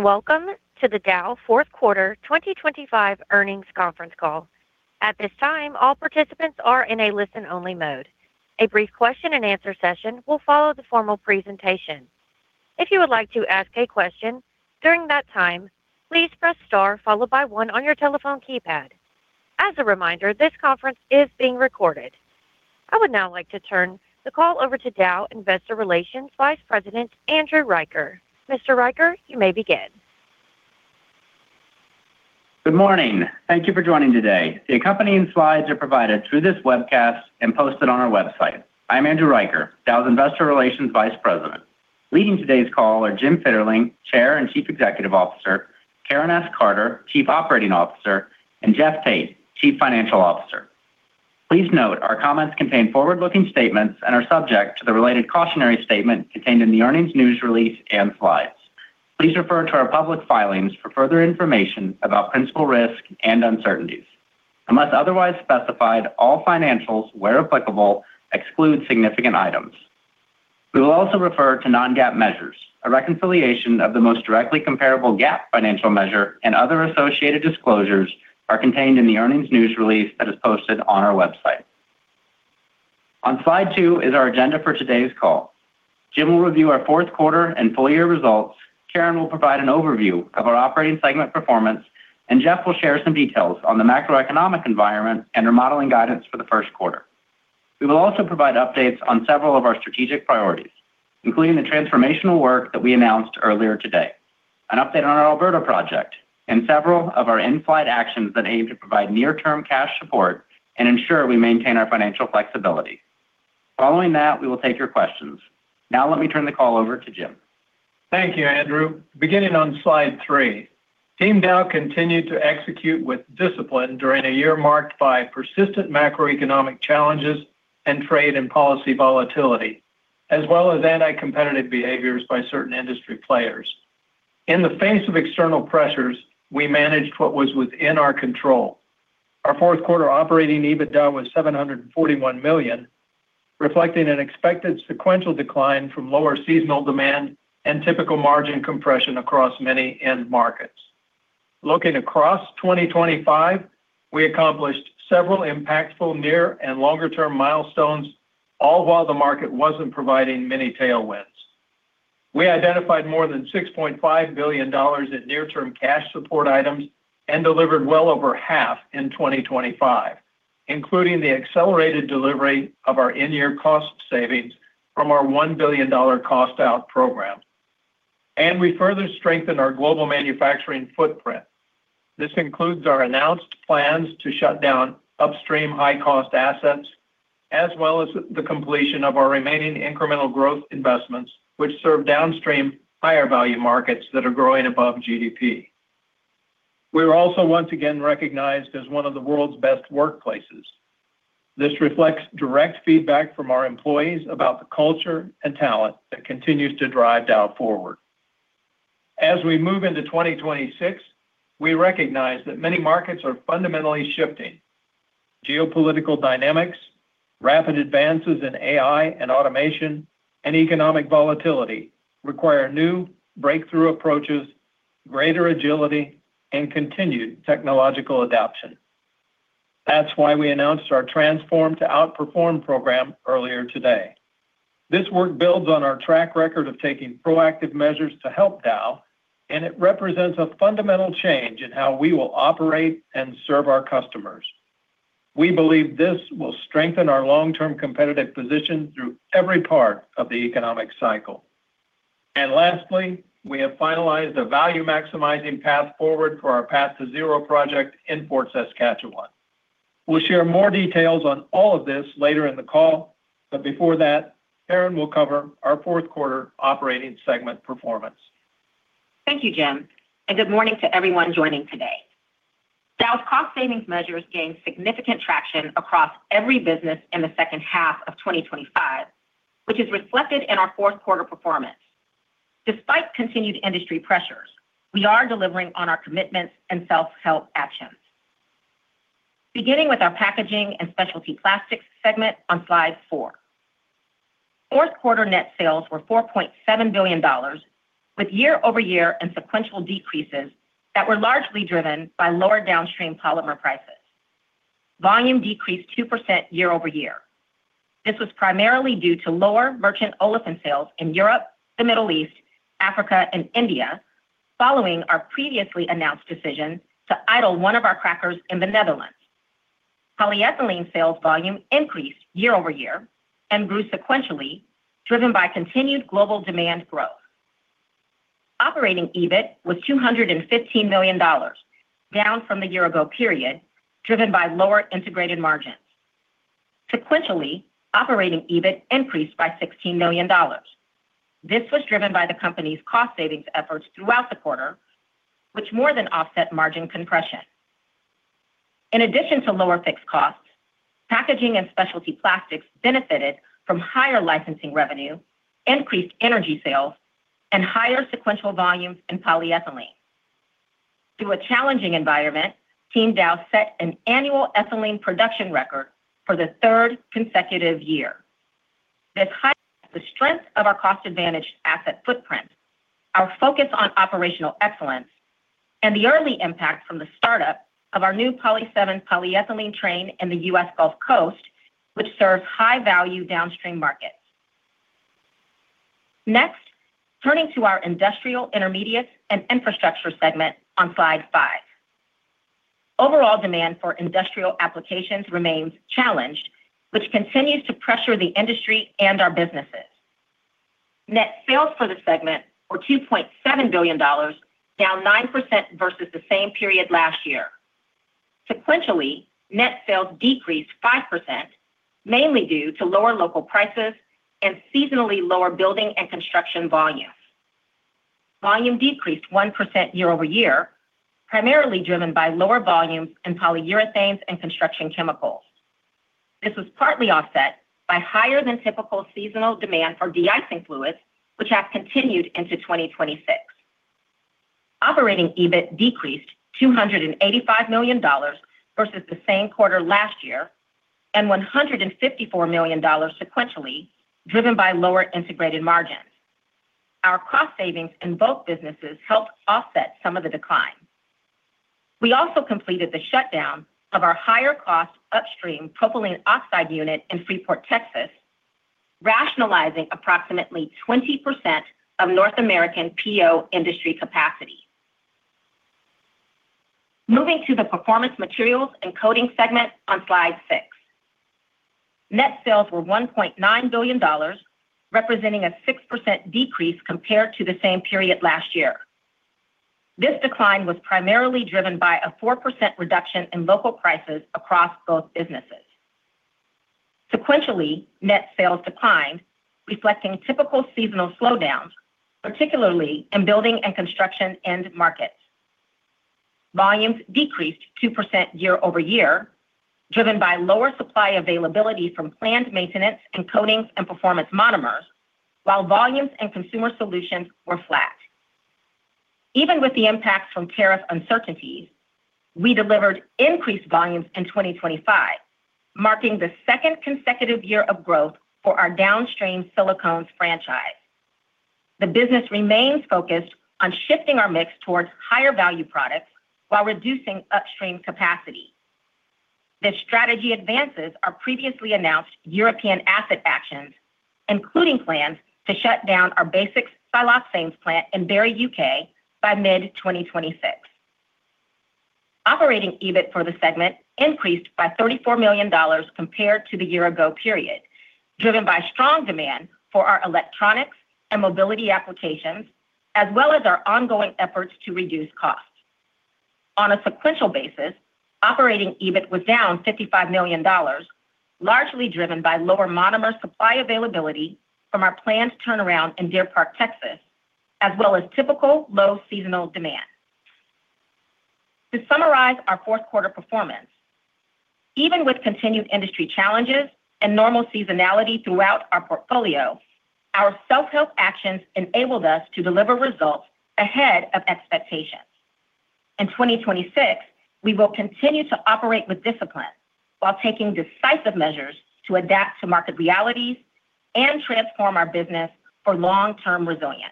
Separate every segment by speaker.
Speaker 1: ...welcome to the Dow Fourth Quarter 2025 Earnings Conference Call. At this time, all participants are in a listen-only mode. A brief question and answer session will follow the formal presentation. If you would like to ask a question during that time, please press Star followed by one on your telephone keypad. As a reminder, this conference is being recorded. I would now like to turn the call over to Dow Investor Relations Vice President Andrew Riker. Mr. Riker, you may begin.
Speaker 2: Good morning. Thank you for joining today. The accompanying slides are provided through this webcast and posted on our website. I'm Andrew Riker, Dow's Investor Relations Vice President. Leading today's call are Jim Fitterling, Chair and Chief Executive Officer, Karen S. Carter, Chief Operating Officer, and Jeff Tate, Chief Financial Officer. Please note, our comments contain forward-looking statements and are subject to the related cautionary statement contained in the earnings news release and slides. Please refer to our public filings for further information about principal risks and uncertainties. Unless otherwise specified, all financials, where applicable, exclude significant items. We will also refer to non-GAAP measures. A reconciliation of the most directly comparable GAAP financial measure and other associated disclosures are contained in the earnings news release that is posted on our website. On slide two is our agenda for today's call. Jim will review our fourth quarter and full year results, Karen will provide an overview of our operating segment performance, and Jeff will share some details on the macroeconomic environment and our modeling guidance for the first quarter. We will also provide updates on several of our strategic priorities, including the transformational work that we announced earlier today, an update on our Alberta project, and several of our in-flight actions that aim to provide near-term cash support and ensure we maintain our financial flexibility. Following that, we will take your questions. Now, let me turn the call over to Jim.
Speaker 3: Thank you, Andrew. Beginning on slide three, Team Dow continued to execute with discipline during a year marked by persistent macroeconomic challenges and trade and policy volatility, as well as anti-competitive behaviors by certain industry players. In the face of external pressures, we managed what was within our control. Our fourth quarter operating EBITDA was $741 million, reflecting an expected sequential decline from lower seasonal demand and typical margin compression across many end markets. Looking across 2025, we accomplished several impactful near and longer-term milestones, all while the market wasn't providing many tailwinds. We identified more than $6.5 billion in near-term cash support items and delivered well over half in 2025, including the accelerated delivery of our in-year cost savings from our $1 billion cost out program. And we further strengthened our global manufacturing footprint. This includes our announced plans to shut down upstream high-cost assets, as well as the completion of our remaining incremental growth investments, which serve downstream higher-value markets that are growing above GDP. We're also once again recognized as one of the world's best workplaces. This reflects direct feedback from our employees about the culture and talent that continues to drive Dow forward. As we move into 2026, we recognize that many markets are fundamentally shifting. Geopolitical dynamics, rapid advances in AI and automation, and economic volatility require new breakthrough approaches, greater agility, and continued technological adoption. That's why we announced our Transform to Outperform program earlier today. This work builds on our track record of taking proactive measures to help Dow, and it represents a fundamental change in how we will operate and serve our customers. We believe this will strengthen our long-term competitive position through every part of the economic cycle. And lastly, we have finalized a value-maximizing path forward for our Path2Zero project in Fort Saskatchewan. We'll share more details on all of this later in the call, but before that, Karen will cover our fourth quarter operating segment performance.
Speaker 4: Thank you, Jim, and good morning to everyone joining today. Dow's cost savings measures gained significant traction across every business in the second half of 2025, which is reflected in our fourth quarter performance. Despite continued industry pressures, we are delivering on our commitments and self-help actions. Beginning with our Packaging and Specialty Plastics segment on slide four. Fourth quarter net sales were $4.7 billion, with year-over-year and sequential decreases that were largely driven by lower downstream polymer prices. Volume decreased 2% year-over-year. This was primarily due to lower merchant olefin sales in Europe, the Middle East, Africa, and India, following our previously announced decision to idle one of our crackers in the Netherlands. Polyethylene sales volume increased year-over-year and grew sequentially, driven by continued global demand growth. Operating EBIT was $215 million, down from the year ago period, driven by lower integrated margins. Sequentially, operating EBIT increased by $16 million. This was driven by the company's cost savings efforts throughout the quarter, which more than offset margin compression. In addition to lower fixed costs, Packaging and Specialty Plastics benefited from higher licensing revenue, increased energy sales, and higher sequential volumes in polyethylene... Through a challenging environment, Team Dow set an annual ethylene production record for the third consecutive year. This highlights the strength of our cost-advantaged asset footprint, our focus on operational excellence, and the early impact from the startup of our new Poly 7 polyethylene train in the US Gulf Coast, which serves high-value downstream markets. Next, turning to our Industrial Intermediates and Infrastructure segment on Slide 5. Overall demand for industrial applications remains challenged, which continues to pressure the industry and our businesses. Net sales for the segment were $2.7 billion, down 9% versus the same period last year. Sequentially, net sales decreased 5%, mainly due to lower local prices and seasonally lower building and construction volumes. Volume decreased 1% year-over-year, primarily driven by lower volumes in polyurethanes and construction chemicals. This was partly offset by higher than typical seasonal demand for de-icing fluids, which have continued into 2026. Operating EBIT decreased $285 million versus the same quarter last year, and $154 million sequentially, driven by lower integrated margins. Our cost savings in both businesses helped offset some of the decline. We also completed the shutdown of our higher-cost upstream propylene oxide unit in Freeport, Texas, rationalizing approximately 20% of North American PO industry capacity. Moving to the Performance Materials and Coatings segment on Slide 6. Net sales were $1.9 billion, representing a 6% decrease compared to the same period last year. This decline was primarily driven by a 4% reduction in local prices across both businesses. Sequentially, net sales declined, reflecting typical seasonal slowdowns, particularly in building and construction end markets. Volumes decreased 2% year-over-year, driven by lower supply availability from planned maintenance and Coatings and Performance Monomers, while volumes and Consumer Solutions were flat. Even with the impacts from tariff uncertainties, we delivered increased volumes in 2025, marking the second consecutive year of growth for our downstream silicones franchise. The business remains focused on shifting our mix towards higher-value products while reducing upstream capacity. This strategy advances our previously announced European asset actions, including plans to shut down our basic siloxanes plant in Barry, U.K., by mid-2026. Operating EBIT for the segment increased by $34 million compared to the year-ago period, driven by strong demand for our electronics and mobility applications, as well as our ongoing efforts to reduce costs. On a sequential basis, operating EBIT was down $55 million, largely driven by lower monomer supply availability from our planned turnaround in Deer Park, Texas, as well as typical low seasonal demand. To summarize our fourth quarter performance, even with continued industry challenges and normal seasonality throughout our portfolio, our self-help actions enabled us to deliver results ahead of expectations. In 2026, we will continue to operate with discipline while taking decisive measures to adapt to market realities and transform our business for long-term resilience.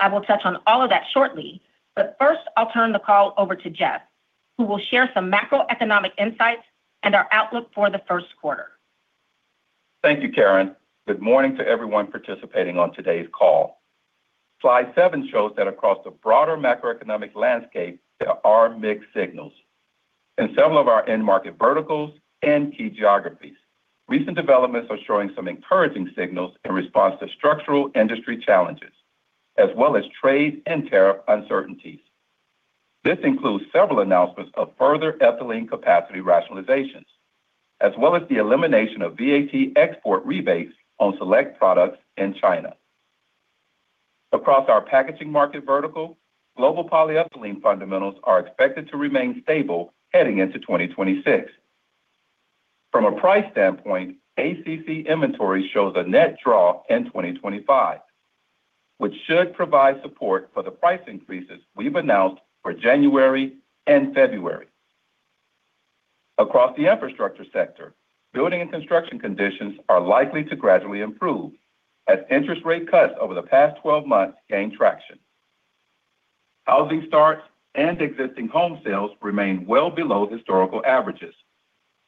Speaker 4: I will touch on all of that shortly, but first, I'll turn the call over to Jeff, who will share some macroeconomic insights and our outlook for the first quarter.
Speaker 5: Thank you, Karen. Good morning to everyone participating on today's call. Slide 7 shows that across the broader macroeconomic landscape, there are mixed signals. In several of our end-market verticals and key geographies, recent developments are showing some encouraging signals in response to structural industry challenges, as well as trade and tariff uncertainties. This includes several announcements of further ethylene capacity rationalizations, as well as the elimination of VAT export rebates on select products in China. Across our packaging market vertical, global polyethylene fundamentals are expected to remain stable heading into 2026. From a price standpoint, ACC inventory shows a net draw in 2025, which should provide support for the price increases we've announced for January and February. Across the infrastructure sector, building and construction conditions are likely to gradually improve as interest rate cuts over the past 12 months gain traction. Housing starts and existing home sales remain well below historical averages,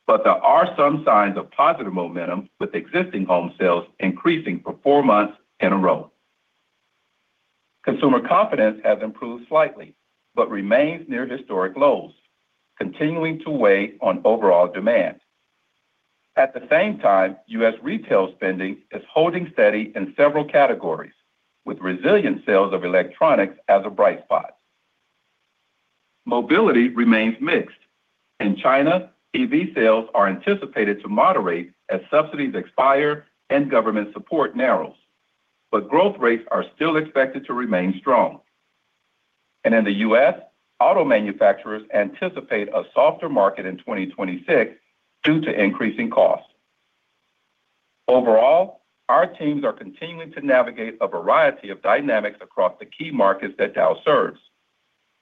Speaker 5: but there are some signs of positive momentum, with existing home sales increasing for four months in a row. Consumer confidence has improved slightly, but remains near historic lows, continuing to weigh on overall demand. At the same time, U.S. retail spending is holding steady in several categories, with resilient sales of electronics as a bright spot. Mobility remains mixed. In China, EV sales are anticipated to moderate as subsidies expire and government support narrows, but growth rates are still expected to remain strong. In the U.S., auto manufacturers anticipate a softer market in 2026 due to increasing costs. Overall, our teams are continuing to navigate a variety of dynamics across the key markets that Dow serves,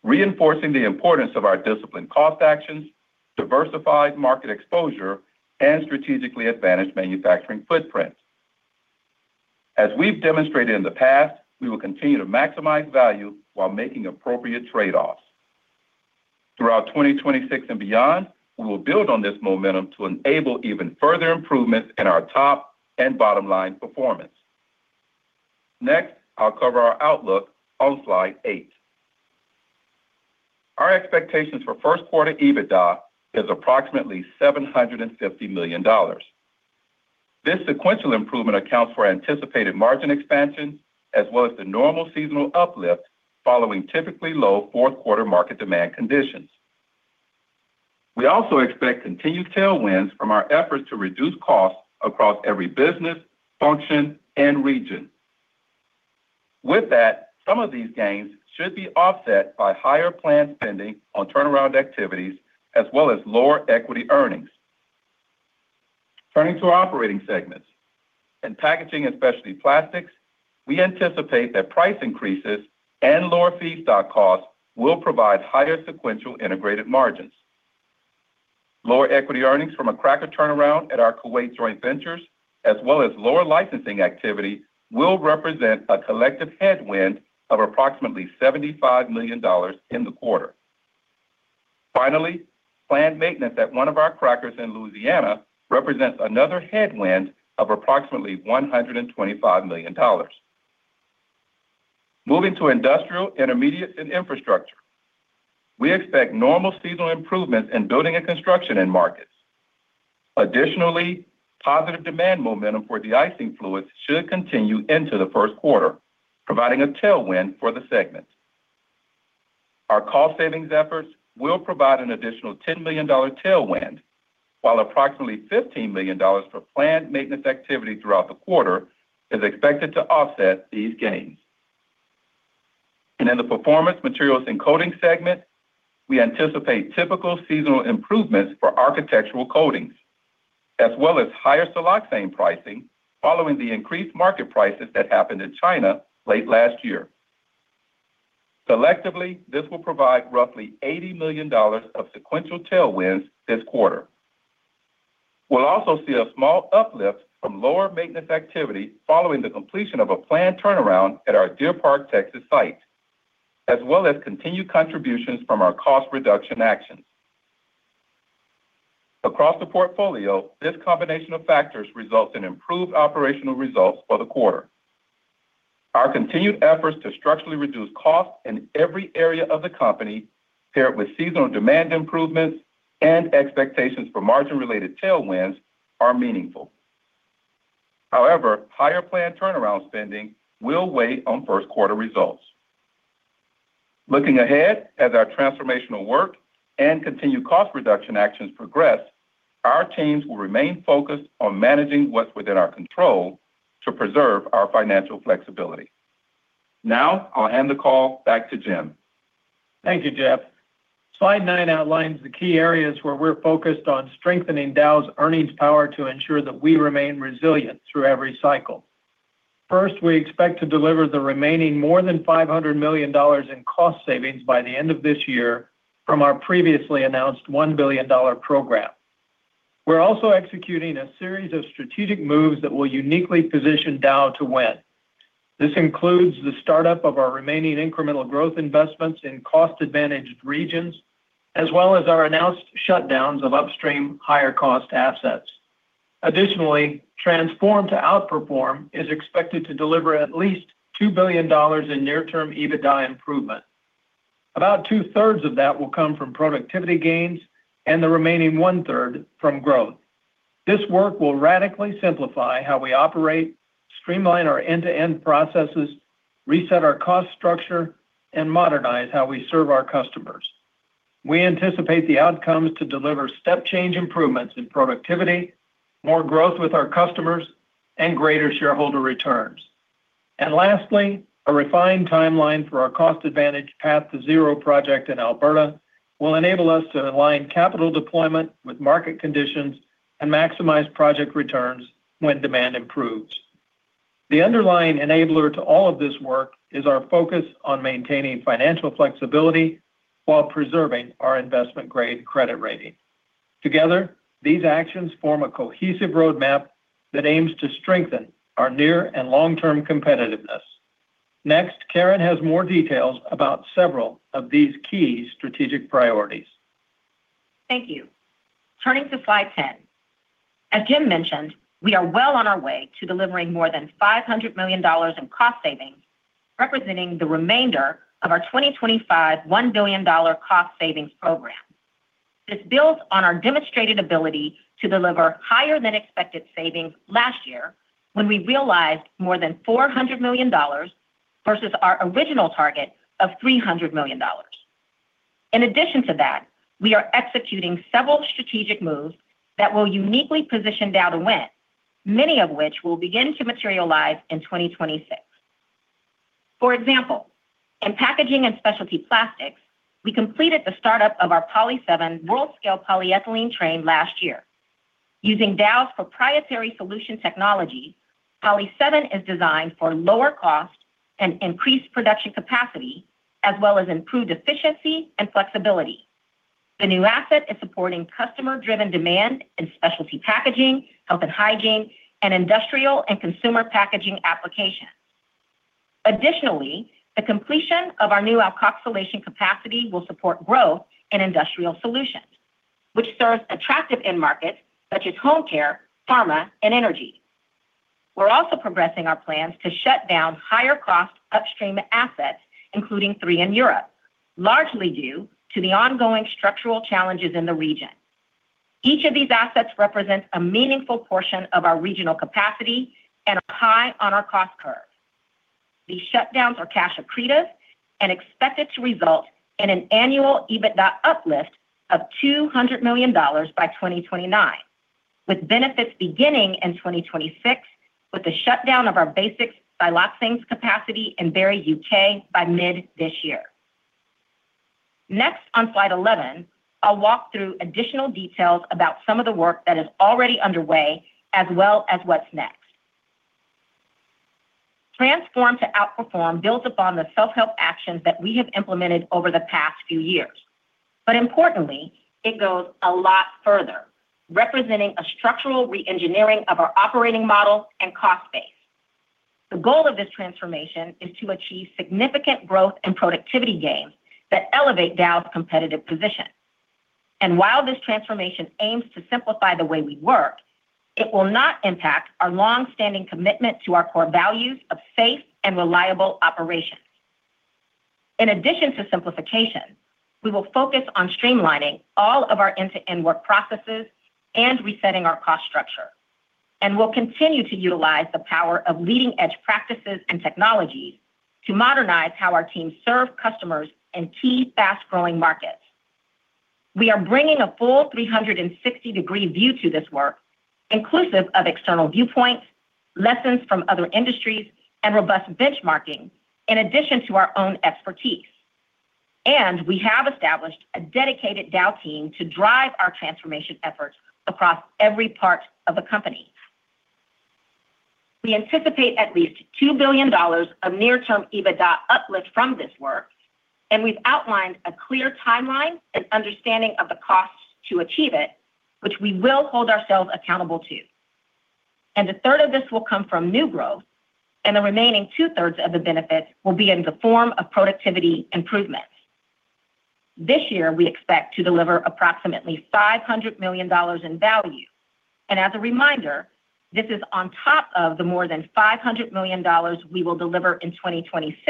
Speaker 5: reinforcing the importance of our disciplined cost actions, diversified market exposure, and strategically advantaged manufacturing footprint. As we've demonstrated in the past, we will continue to maximize value while making appropriate trade-offs. Throughout 2026 and beyond, we will build on this momentum to enable even further improvements in our top and bottom line performance. Next, I'll cover our outlook on slide 8. Our expectations for first quarter EBITDA is approximately $750 million. This sequential improvement accounts for anticipated margin expansion, as well as the normal seasonal uplift following typically low fourth quarter market demand conditions. We also expect continued tailwinds from our efforts to reduce costs across every business, function, and region. With that, some of these gains should be offset by higher planned spending on turnaround activities, as well as lower equity earnings. Turning to our operating segments. In Packaging and Specialty Plastics, we anticipate that price increases and lower feedstock costs will provide higher sequential integrated margins. Lower equity earnings from a cracker turnaround at our Kuwait joint ventures, as well as lower licensing activity, will represent a collective headwind of approximately $75 million in the quarter. Finally, planned maintenance at one of our crackers in Louisiana represents another headwind of approximately $125 million. Moving to Industrial Intermediates and Infrastructure, we expect normal seasonal improvements in building and construction end markets. Additionally, positive demand momentum for de-icing fluids should continue into the first quarter, providing a tailwind for the segment. Our cost savings efforts will provide an additional $10 million tailwind, while approximately $15 million for planned maintenance activity throughout the quarter is expected to offset these gains. In the Performance Materials and Coatings segment, we anticipate typical seasonal improvements for architectural coatings, as well as higher siloxane pricing following the increased market prices that happened in China late last year. Selectively, this will provide roughly $80 million of sequential tailwinds this quarter. We'll also see a small uplift from lower maintenance activity following the completion of a planned turnaround at our Deer Park, Texas, site, as well as continued contributions from our cost reduction actions. Across the portfolio, this combination of factors result in improved operational results for the quarter. Our continued efforts to structurally reduce costs in every area of the company, paired with seasonal demand improvements and expectations for margin-related tailwinds, are meaningful. However, higher planned turnaround spending will weigh on first quarter results. Looking ahead, as our transformational work and continued cost reduction actions progress, our teams will remain focused on managing what's within our control to preserve our financial flexibility. Now, I'll hand the call back to Jim.
Speaker 3: Thank you, Jeff. Slide 9 outlines the key areas where we're focused on strengthening Dow's earnings power to ensure that we remain resilient through every cycle. First, we expect to deliver the remaining more than $500 million in cost savings by the end of this year from our previously announced $1 billion program. We're also executing a series of strategic moves that will uniquely position Dow to win. This includes the startup of our remaining incremental growth investments in cost-advantaged regions, as well as our announced shutdowns of upstream, higher-cost assets. Additionally, Transform to Outperform is expected to deliver at least $2 billion in near-term EBITDA improvement. About two-thirds of that will come from productivity gains and the remaining one-third from growth. This work will radically simplify how we operate, streamline our end-to-end processes, reset our cost structure, and modernize how we serve our customers. We anticipate the outcomes to deliver step change improvements in productivity, more growth with our customers, and greater shareholder returns. And lastly, a refined timeline for our cost advantage Path2Zero project in Alberta will enable us to align capital deployment with market conditions and maximize project returns when demand improves. The underlying enabler to all of this work is our focus on maintaining financial flexibility while preserving our investment-grade credit rating. Together, these actions form a cohesive roadmap that aims to strengthen our near and long-term competitiveness. Next, Karen has more details about several of these key strategic priorities.
Speaker 4: Thank you. Turning to slide 10. As Jim mentioned, we are well on our way to delivering more than $500 million in cost savings, representing the remainder of our 2025 $1 billion cost savings program. This builds on our demonstrated ability to deliver higher-than-expected savings last year, when we realized more than $400 million versus our original target of $300 million. In addition to that, we are executing several strategic moves that will uniquely position Dow to win, many of which will begin to materialize in 2026. For example, in packaging and specialty plastics, we completed the startup of our Poly 7 world-scale polyethylene train last year. Using Dow's proprietary solution technology, Poly 7 is designed for lower cost and increased production capacity, as well as improved efficiency and flexibility. The new asset is supporting customer-driven demand in specialty packaging, health and hygiene, and industrial and consumer packaging applications. Additionally, the completion of our new alkoxylation capacity will support growth in Industrial Solutions, which serves attractive end markets such as home care, pharma, and energy. We're also progressing our plans to shut down higher cost upstream assets, including three in Europe, largely due to the ongoing structural challenges in the region. Each of these assets represents a meaningful portion of our regional capacity and are high on our cost curve. These shutdowns are cash accretive and expected to result in an annual EBITDA uplift of $200 million by 2029, with benefits beginning in 2026, with the shutdown of our basic siloxanes capacity in Barry, U.K., by mid this year. Next, on slide eleven, I'll walk through additional details about some of the work that is already underway, as well as what's next. Transform to Outperform builds upon the self-help actions that we have implemented over the past few years, but importantly, it goes a lot further, representing a structural reengineering of our operating model and cost base. The goal of this transformation is to achieve significant growth and productivity gains that elevate Dow's competitive position. While this transformation aims to simplify the way we work, it will not impact our long-standing commitment to our core values of safe and reliable operations. In addition to simplification, we will focus on streamlining all of our end-to-end work processes and resetting our cost structure. We'll continue to utilize the power of leading-edge practices and technologies to modernize how our teams serve customers in key fast-growing markets. We are bringing a full 360-degree view to this work, inclusive of external viewpoints, lessons from other industries, and robust benchmarking, in addition to our own expertise. We have established a dedicated Dow team to drive our transformation efforts across every part of the company. We anticipate at least $2 billion of near-term EBITDA uplift from this work, and we've outlined a clear timeline and understanding of the costs to achieve it, which we will hold ourselves accountable to. A third of this will come from new growth, and the remaining two-thirds of the benefits will be in the form of productivity improvements. This year, we expect to deliver approximately $500 million in value, and as a reminder, this is on top of the more than $500 million we will deliver in 2026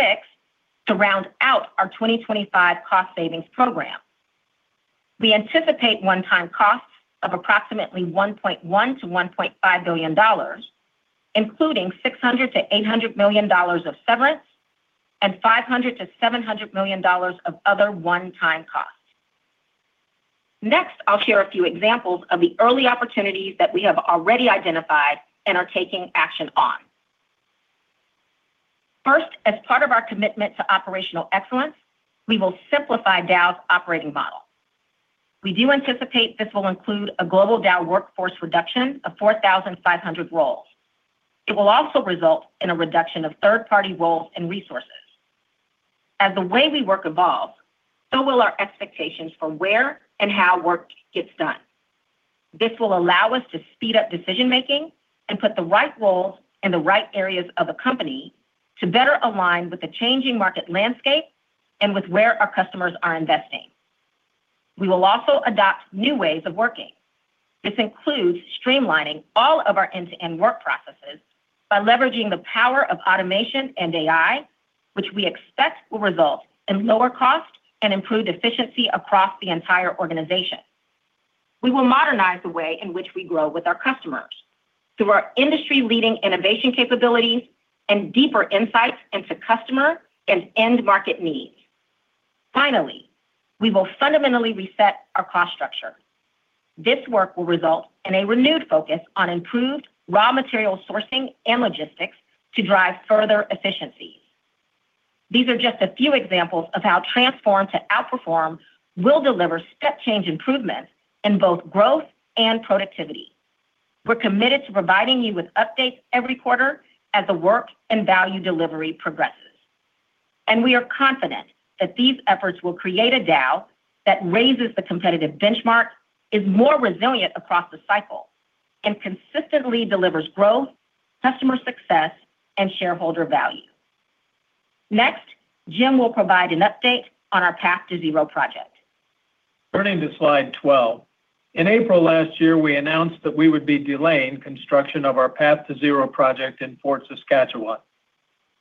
Speaker 4: to round out our 2025 cost savings program. We anticipate one-time costs of approximately $1.1 billion-$1.5 billion, including $600 million-$800 million of severance and $500 million-$700 million of other one-time costs. Next, I'll share a few examples of the early opportunities that we have already identified and are taking action on. First, as part of our commitment to operational excellence, we will simplify Dow's operating model. We do anticipate this will include a global Dow workforce reduction of 4,500 roles. It will also result in a reduction of third-party roles and resources. As the way we work evolves, so will our expectations for where and how work gets done. This will allow us to speed up decision-making and put the right roles in the right areas of the company to better align with the changing market landscape and with where our customers are investing. We will also adopt new ways of working. This includes streamlining all of our end-to-end work processes by leveraging the power of automation and AI, which we expect will result in lower costs and improved efficiency across the entire organization. We will modernize the way in which we grow with our customers through our industry-leading innovation capabilities and deeper insights into customer and end market needs. Finally, we will fundamentally reset our cost structure. This work will result in a renewed focus on improved raw material sourcing and logistics to drive further efficiency. These are just a few examples of how Transform to Outperform will deliver step change improvements in both growth and productivity. We're committed to providing you with updates every quarter as the work and value delivery progresses. And we are confident that these efforts will create a Dow that raises the competitive benchmark, is more resilient across the cycle, and consistently delivers growth, customer success, and shareholder value. Next, Jim will provide an update on our Path2Zero project.
Speaker 3: Turning to slide 12. In April last year, we announced that we would be delaying construction of our Path2Zero project in Fort Saskatchewan.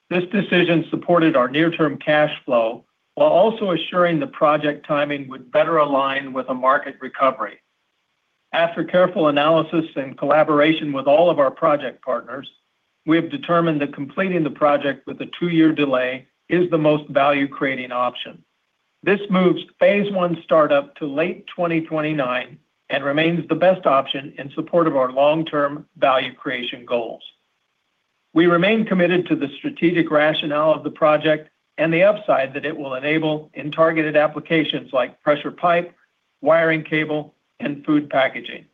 Speaker 3: This decision supported our near-term cash flow while also assuring the project timing would better align with a market recovery. After careful analysis and collaboration with all of our project partners, we have determined that completing the project with a 2-year delay is the most value-creating option. This moves phase one startup to late 2029 and remains the best option in support of our long-term value creation goals. We remain committed to the strategic rationale of the project and the upside that it will enable in targeted applications like pressure pipe, wiring, cable, and food packaging.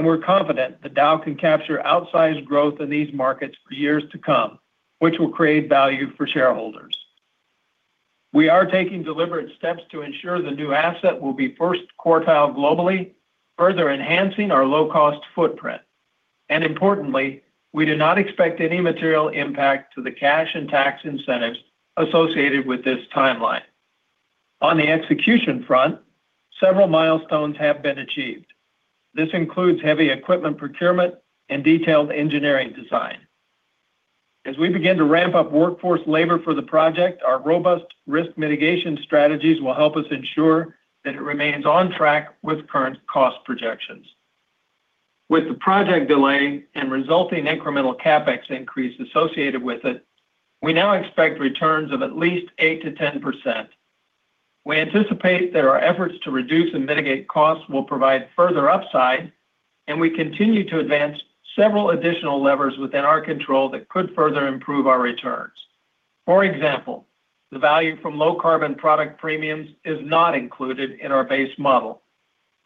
Speaker 3: We're confident that Dow can capture outsized growth in these markets for years to come, which will create value for shareholders. We are taking deliberate steps to ensure the new asset will be first quartile globally, further enhancing our low-cost footprint. Importantly, we do not expect any material impact to the cash and tax incentives associated with this timeline. On the execution front, several milestones have been achieved. This includes heavy equipment procurement and detailed engineering design. As we begin to ramp up workforce labor for the project, our robust risk mitigation strategies will help us ensure that it remains on track with current cost projections. With the project delay and resulting incremental CapEx increase associated with it, we now expect returns of at least 8%-10%. We anticipate that our efforts to reduce and mitigate costs will provide further upside, and we continue to advance several additional levers within our control that could further improve our returns. For example, the value from low carbon product premiums is not included in our base model,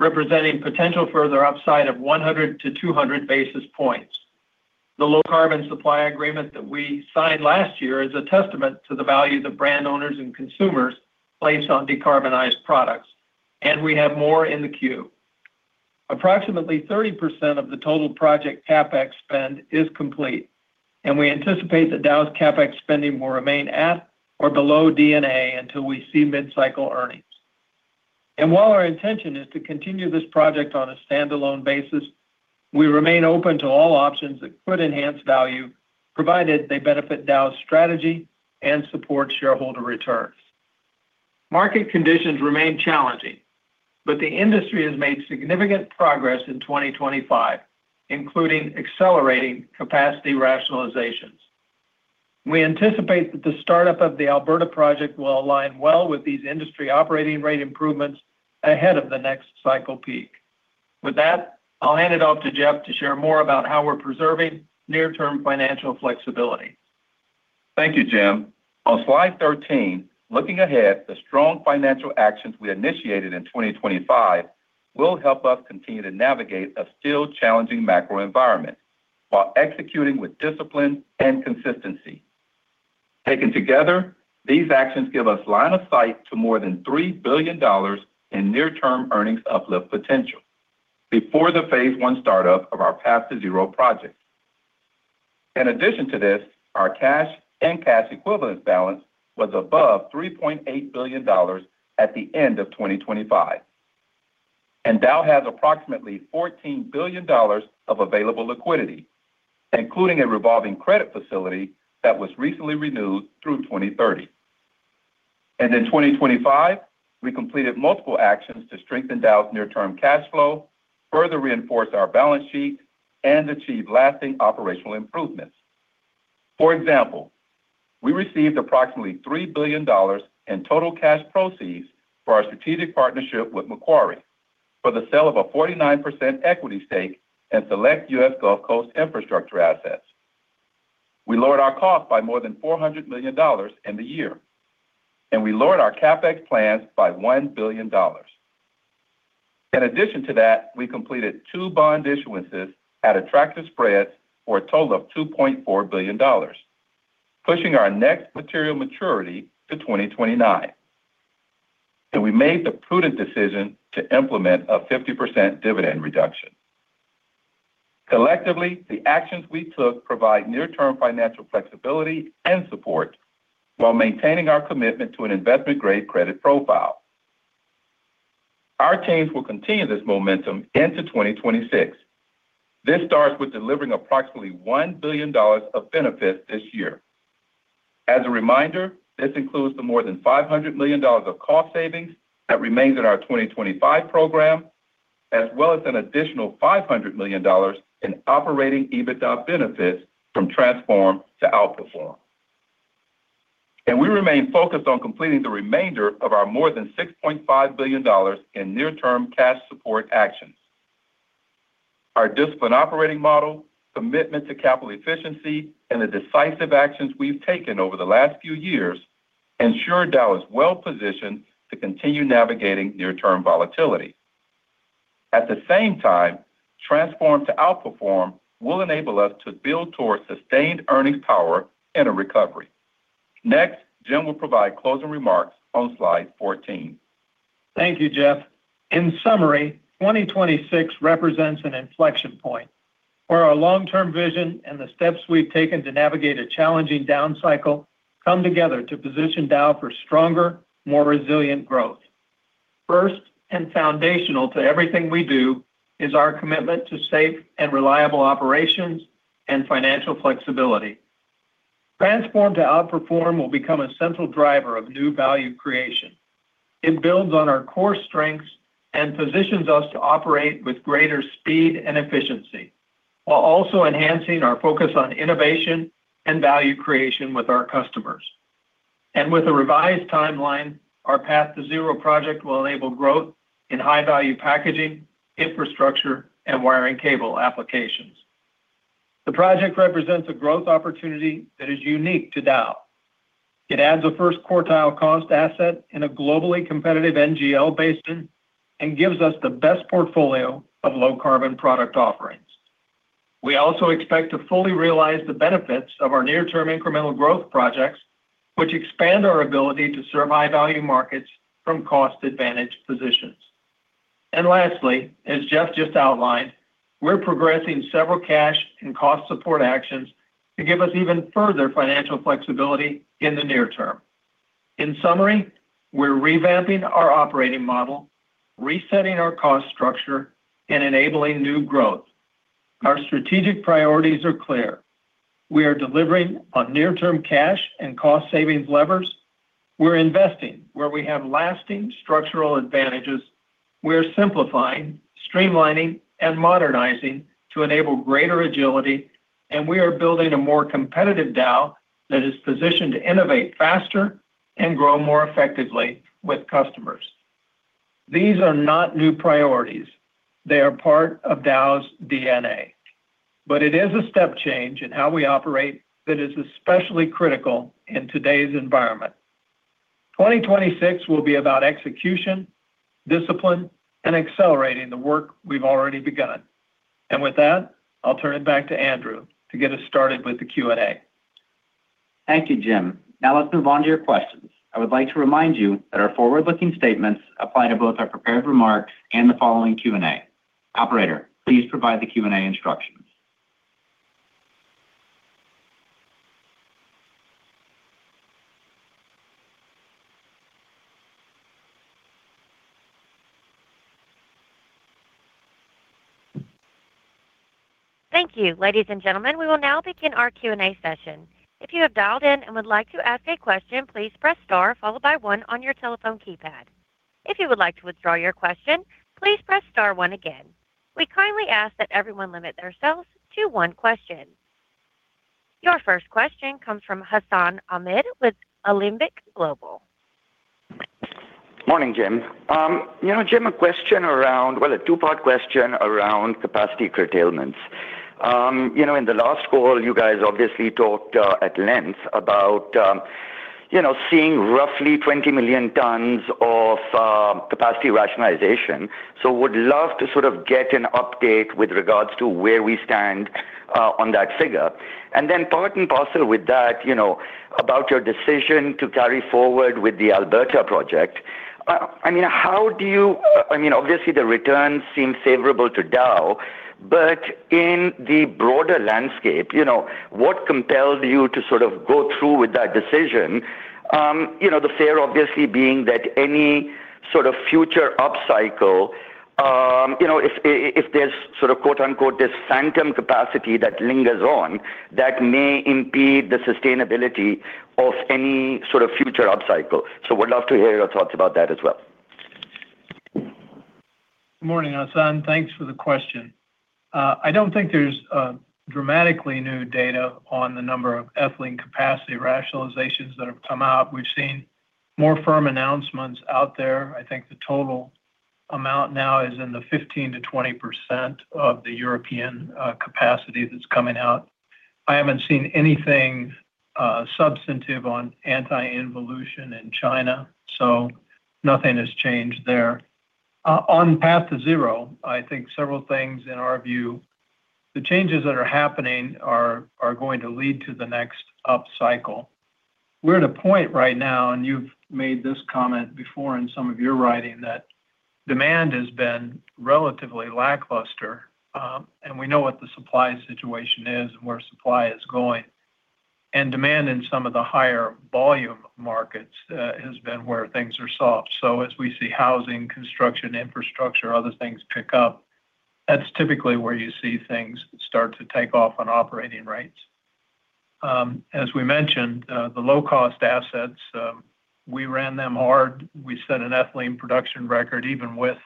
Speaker 3: representing potential further upside of 100-200 basis points. The low carbon supply agreement that we signed last year is a testament to the value that brand owners and consumers place on decarbonized products, and we have more in the queue. Approximately 30% of the total project CapEx spend is complete, and we anticipate that Dow's CapEx spending will remain at or below D&A until we see mid-cycle earnings. While our intention is to continue this project on a standalone basis, we remain open to all options that could enhance value, provided they benefit Dow's strategy and support shareholder returns. Market conditions remain challenging, but the industry has made significant progress in 2025, including accelerating capacity rationalizations. We anticipate that the startup of the Alberta project will align well with these industry operating rate improvements ahead of the next cycle peak. With that, I'll hand it off to Jeff to share more about how we're preserving near-term financial flexibility.
Speaker 5: Thank you, Jim. On slide 13, looking ahead, the strong financial actions we initiated in 2025 will help us continue to navigate a still challenging macro environment while executing with discipline and consistency. Taken together, these actions give us line of sight to more than $3 billion in near-term earnings uplift potential before the phase one startup of our Path2Zero project. In addition to this, our cash and cash equivalent balance was above $3.8 billion at the end of 2025, and Dow has approximately $14 billion of available liquidity, including a revolving credit facility that was recently renewed through 2030. In 2025, we completed multiple actions to strengthen Dow's near-term cash flow, further reinforce our balance sheet, and achieve lasting operational improvements. For example, we received approximately $3 billion in total cash proceeds for our strategic partnership with Macquarie Group for the sale of a 49% equity stake in select U.S. Gulf Coast infrastructure assets. We lowered our cost by more than $400 million in the year, and we lowered our CapEx plans by $1 billion. In addition to that, we completed two bond issuances at attractive spreads for a total of $2.4 billion, pushing our next material maturity to 2029. We made the prudent decision to implement a 50% dividend reduction. Collectively, the actions we took provide near-term financial flexibility and support while maintaining our commitment to an investment-grade credit profile. Our teams will continue this momentum into 2026. This starts with delivering approximately $1 billion of benefits this year. As a reminder, this includes the more than $500 million of cost savings that remains in our 2025 program, as well as an additional $500 million in operating EBITDA benefits from Transform to Outperform. And we remain focused on completing the remainder of our more than $6.5 billion in near-term cash support actions. Our disciplined operating model, commitment to capital efficiency, and the decisive actions we've taken over the last few years ensure Dow is well positioned to continue navigating near-term volatility. At the same time, Transform to Outperform will enable us to build towards sustained earnings power and a recovery. Next, Jim will provide closing remarks on slide 14.
Speaker 3: Thank you, Jeff. In summary, 2026 represents an inflection point, where our long-term vision and the steps we've taken to navigate a challenging down cycle come together to position Dow for stronger, more resilient growth. First, and foundational to everything we do, is our commitment to safe and reliable operations and financial flexibility. Transform to Outperform will become a central driver of new value creation. It builds on our core strengths and positions us to operate with greater speed and efficiency. While also enhancing our focus on innovation and value creation with our customers. And with a revised timeline, our Path2Zero project will enable growth in high-value packaging, infrastructure, and wiring cable applications. The project represents a growth opportunity that is unique to Dow. It adds a first quartile cost asset in a globally competitive NGL basin and gives us the best portfolio of low carbon product offerings. We also expect to fully realize the benefits of our near-term incremental growth projects, which expand our ability to serve high-value markets from cost advantage positions. And lastly, as Jeff just outlined, we're progressing several cash and cost support actions to give us even further financial flexibility in the near term. In summary, we're revamping our operating model, resetting our cost structure, and enabling new growth. Our strategic priorities are clear. We are delivering on near-term cash and cost savings levers. We're investing where we have lasting structural advantages. We are simplifying, streamlining, and modernizing to enable greater agility, and we are building a more competitive Dow that is positioned to innovate faster and grow more effectively with customers. These are not new priorities. They are part of Dow's D&A. But it is a step change in how we operate that is especially critical in today's environment. 2026 will be about execution, discipline, and accelerating the work we've already begun. And with that, I'll turn it back to Andrew to get us started with the Q&A.
Speaker 2: Thank you, Jim. Now, let's move on to your questions. I would like to remind you that our forward-looking statements apply to both our prepared remarks and the following Q&A. Operator, please provide the Q&A instructions.
Speaker 1: Thank you. Ladies and gentlemen, we will now begin our Q&A session. If you have dialed in and would like to ask a question, please press star, followed by one on your telephone keypad. If you would like to withdraw your question, please press star one again. We kindly ask that everyone limit themselves to one question. Your first question comes from Hassan Ahmed with Alembic Global.
Speaker 6: Morning, Jim. You know, Jim, a question around... Well, a two-part question around capacity curtailments. You know, in the last call, you guys obviously talked at length about, you know, seeing roughly 20 million tons of capacity rationalization. So would love to sort of get an update with regards to where we stand on that figure. And then part and parcel with that, you know, about your decision to carry forward with the Alberta project. I mean, how do you—I mean, obviously, the returns seem favorable to Dow, but in the broader landscape, you know, what compels you to sort of go through with that decision? You know, the fear obviously being that any sort of future upcycle, you know, if there's sort of quote-unquote, "this phantom capacity that lingers on," that may impede the sustainability of any sort of future upcycle. So would love to hear your thoughts about that as well.
Speaker 3: Good morning, Hassan. Thanks for the question. I don't think there's dramatically new data on the number of ethylene capacity rationalizations that have come out. We've seen more firm announcements out there. I think the total amount now is in the 15%-20% of the European capacity that's coming out. I haven't seen anything substantive on anti-dumping in China, so nothing has changed there. On Path2Zero, I think several things in our view, the changes that are happening are going to lead to the next upcycle. We're at a point right now, and you've made this comment before in some of your writing, that demand has been relatively lackluster, and we know what the supply situation is and where supply is going. And demand in some of the higher volume markets has been where things are soft. So as we see housing, construction, infrastructure, other things pick up, that's typically where you see things start to take off on operating rates. As we mentioned, the low-cost assets, we ran them hard. We set an ethylene production record, even with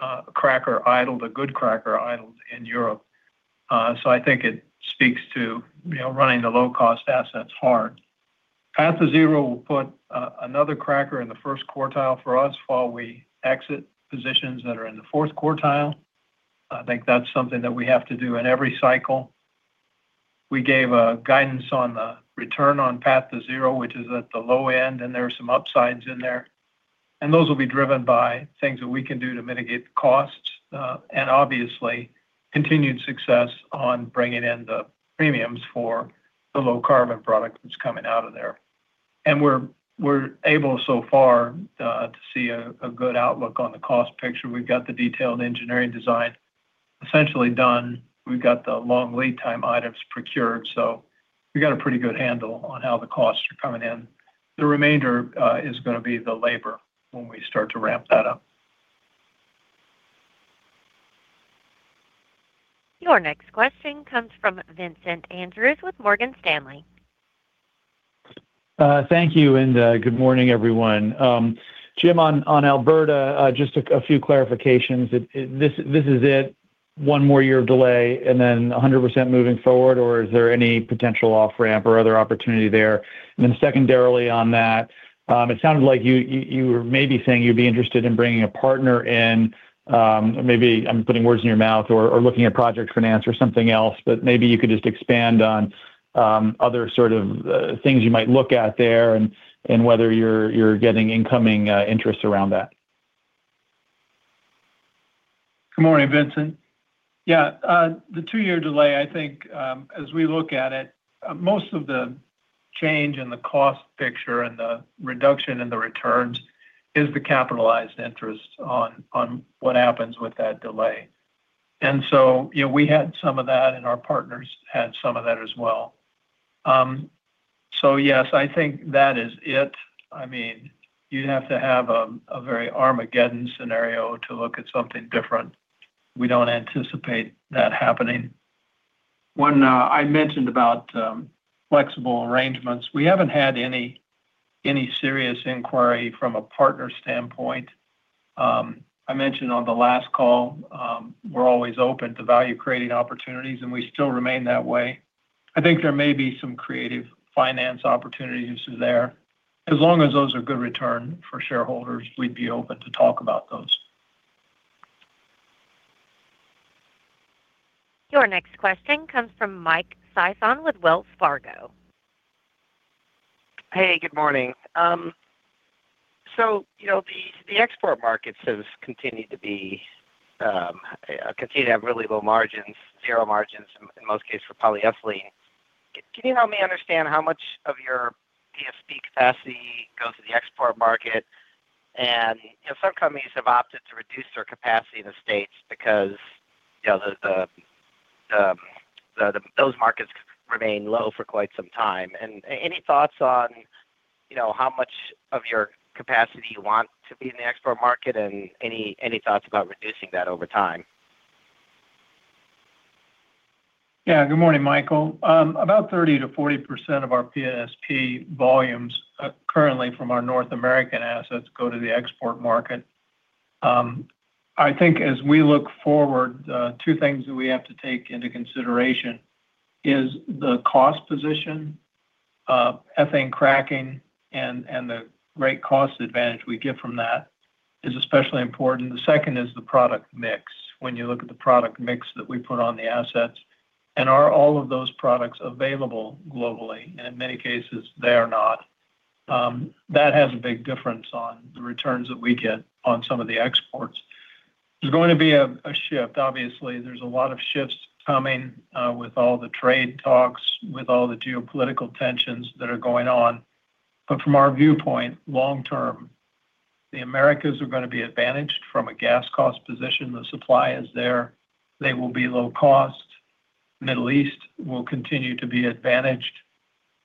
Speaker 3: a cracker idled, a good cracker idled in Europe. So I think it speaks to, you know, running the low-cost assets hard. Path2Zero will put another cracker in the first quartile for us, while we exit positions that are in the fourth quartile. I think that's something that we have to do in every cycle. We gave a guidance on the return on Path2Zero, which is at the low end, and there are some upsides in there. And those will be driven by things that we can do to mitigate the costs, and obviously, continued success on bringing in the premiums for the low-carbon product that's coming out of there. And we're able, so far, to see a good outlook on the cost picture. We've got the detailed engineering design essentially done. We've got the long lead time items procured, so we got a pretty good handle on how the costs are coming in. The remainder is gonna be the labor when we start to ramp that up.
Speaker 1: Your next question comes from Vincent Andrews with Morgan Stanley....
Speaker 7: Thank you, and good morning, everyone. Jim, on Alberta, just a few clarifications. This is it, one more year of delay and then 100% moving forward, or is there any potential off-ramp or other opportunity there? And then secondarily on that, it sounded like you were maybe saying you'd be interested in bringing a partner in. Maybe I'm putting words in your mouth or looking at project finance or something else. But maybe you could just expand on other sort of things you might look at there and whether you're getting incoming interest around that.
Speaker 3: Good morning, Vincent. Yeah, the two-year delay, I think, as we look at it, most of the change in the cost picture and the reduction in the returns is the capitalized interest on what happens with that delay. And so, you know, we had some of that, and our partners had some of that as well. So yes, I think that is it. I mean, you'd have to have a very Armageddon scenario to look at something different. We don't anticipate that happening. One, I mentioned about flexible arrangements. We haven't had any serious inquiry from a partner standpoint. I mentioned on the last call, we're always open to value-creating opportunities, and we still remain that way. I think there may be some creative finance opportunities there. As long as those are good returns for shareholders, we'd be open to talk about those.
Speaker 1: Your next question comes from Mike Sison with Wells Fargo.
Speaker 8: Hey, good morning. So, you know, the export market has continued to be continue to have really low margins, zero margins in most cases for polyethylene. Can you help me understand how much of your PSP capacity goes to the export market? And, you know, some companies have opted to reduce their capacity in the States because, you know, the those markets remain low for quite some time. And any thoughts on, you know, how much of your capacity you want to be in the export market, and any thoughts about reducing that over time?
Speaker 3: Yeah. Good morning, Michael. About 30%-40% of our PSP volumes currently from our North American assets go to the export market. I think as we look forward, two things that we have to take into consideration is the cost position of ethane cracking and, and the great cost advantage we get from that is especially important. The second is the product mix. When you look at the product mix that we put on the assets, and are all of those products available globally? And in many cases, they are not. That has a big difference on the returns that we get on some of the exports. There's going to be a shift. Obviously, there's a lot of shifts coming, with all the trade talks, with all the geopolitical tensions that are going on. But from our viewpoint, long term, the Americas are gonna be advantaged from a gas cost position. The supply is there. They will be low cost. Middle East will continue to be advantaged,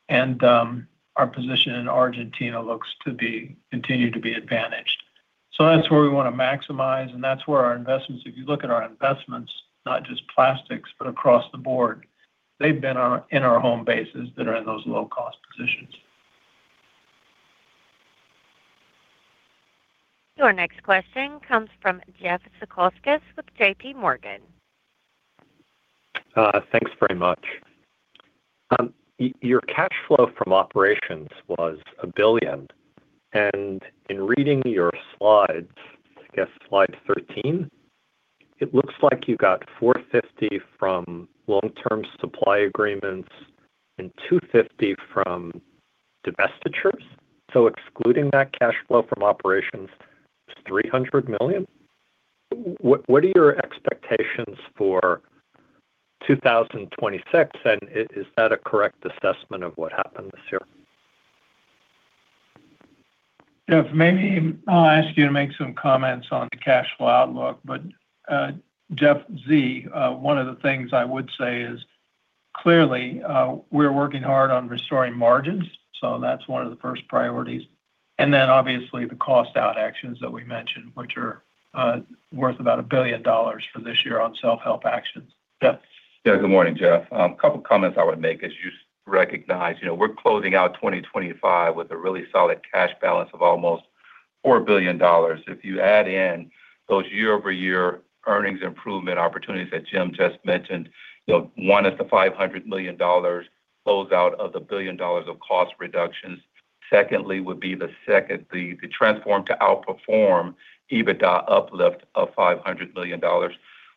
Speaker 3: and our position in Argentina looks to be—continue to be advantaged. So that's where we wanna maximize, and that's where our investments... If you look at our investments, not just plastics, but across the board, they've been our—in our home bases that are in those low-cost positions.
Speaker 1: Your next question comes from Jeff Zekauskas with J.P. Morgan.
Speaker 9: Thanks very much. Your cash flow from operations was $1 billion, and in reading your slides, I guess slide 13, it looks like you got $450 million from long-term supply agreements and $250 million from divestitures. So excluding that cash flow from operations, it's $300 million. What are your expectations for 2026, and is that a correct assessment of what happened this year?
Speaker 3: Jeff, maybe I'll ask you to make some comments on the cash flow outlook. But, Jeff Z, one of the things I would say is, clearly, we're working hard on restoring margins, so that's one of the first priorities. And then obviously, the cost out actions that we mentioned, which are worth about $1 billion for this year on self-help actions. Jeff?
Speaker 5: Yeah, good morning, Jeff. A couple of comments I would make, as you recognize, you know, we're closing out 2025 with a really solid cash balance of almost $4 billion. If you add in those year-over-year earnings improvement opportunities that Jim just mentioned, you know, one is the $500 million close out of the $1 billion of cost reductions. Secondly, the Transform to Outperform EBITDA uplift of $500 million.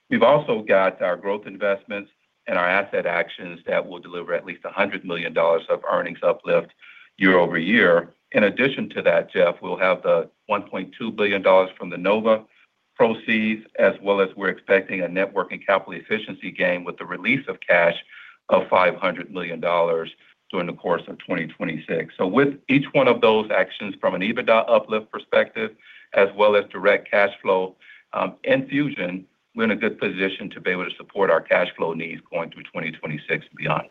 Speaker 5: We've also got our growth investments and our asset actions that will deliver at least $100 million of earnings uplift year over year. In addition to that, Jeff, we'll have the $1.2 billion from the NOVA proceeds, as well as we're expecting a net working capital efficiency gain with the release of cash of $500 million during the course of 2026. With each one of those actions from an EBITDA uplift perspective as well as direct cash flow and infusion, we're in a good position to be able to support our cash flow needs going through 2026 and beyond.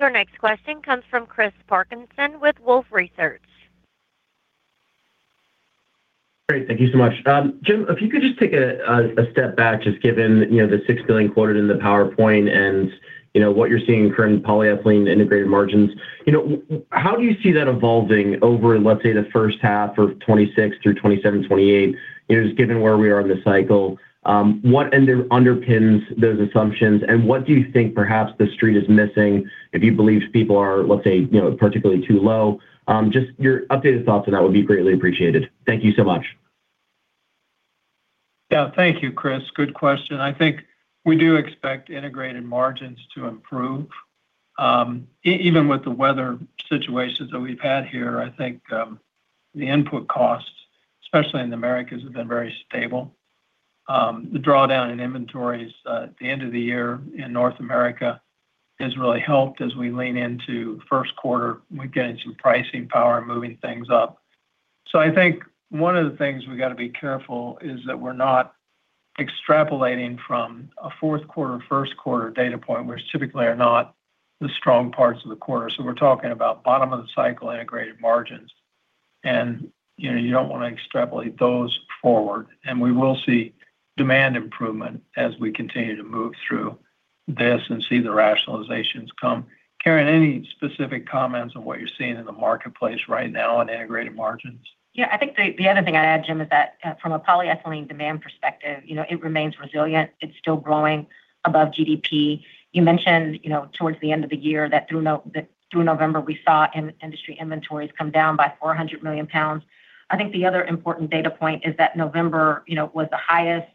Speaker 1: Your next question comes from Chris Parkinson with Wolfe Research. ...
Speaker 10: Great. Thank you so much. Jim, if you could just take a, a step back, just given, you know, the $6 billion quoted in the PowerPoint and, you know, what you're seeing in current polyethylene integrated margins. You know, how do you see that evolving over, let's say, the first half of 2026 through 2027, 2028? You know, just given where we are in the cycle, what underpins those assumptions, and what do you think perhaps the street is missing if you believe people are, let's say, you know, particularly too low? Just your updated thoughts on that would be greatly appreciated. Thank you so much.
Speaker 3: Yeah. Thank you, Chris. Good question. I think we do expect integrated margins to improve. Even with the weather situations that we've had here, I think, the input costs, especially in the Americas, have been very stable. The drawdown in inventories, at the end of the year in North America has really helped as we lean into first quarter. We're getting some pricing power and moving things up. So I think one of the things we've got to be careful is that we're not extrapolating from a fourth quarter, first quarter data point, which typically are not the strong parts of the quarter. So we're talking about bottom of the cycle, integrated margins, and, you know, you don't want to extrapolate those forward. And we will see demand improvement as we continue to move through this and see the rationalizations come. Karen, any specific comments on what you're seeing in the marketplace right now on integrated margins?
Speaker 4: Yeah, I think the other thing I'd add, Jim, is that from a polyethylene demand perspective, you know, it remains resilient. It's still growing above GDP. You mentioned, you know, towards the end of the year that through November, we saw industry inventories come down by 400 million pounds. I think the other important data point is that November, you know, was the highest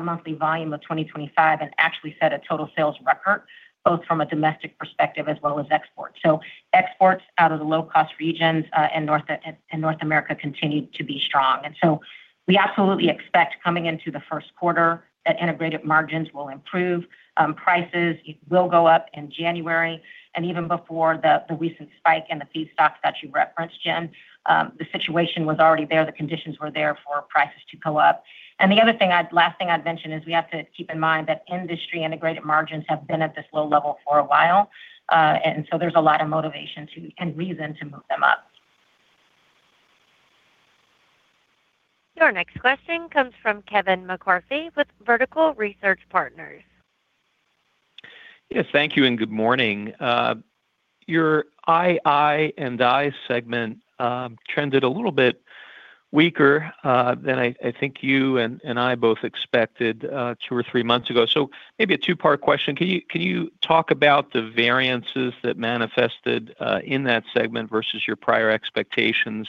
Speaker 4: monthly volume of 2025 and actually set a total sales record, both from a domestic perspective as well as export. So exports out of the low-cost regions in North America continued to be strong. We absolutely expect coming into the first quarter, that integrated margins will improve, prices will go up in January, and even before the recent spike in the feedstocks that you referenced, Jim, the situation was already there. The conditions were there for prices to go up. And the other thing, last thing I'd mention is we have to keep in mind that industry integrated margins have been at this low level for a while, and so there's a lot of motivation to and reason to move them up.
Speaker 1: Your next question comes from Kevin McCarthy with Vertical Research Partners.
Speaker 11: Yeah, thank you, and good morning. Your II&I segment trended a little bit weaker than I think you and I both expected two or three months ago. So maybe a two-part question. Can you talk about the variances that manifested in that segment versus your prior expectations?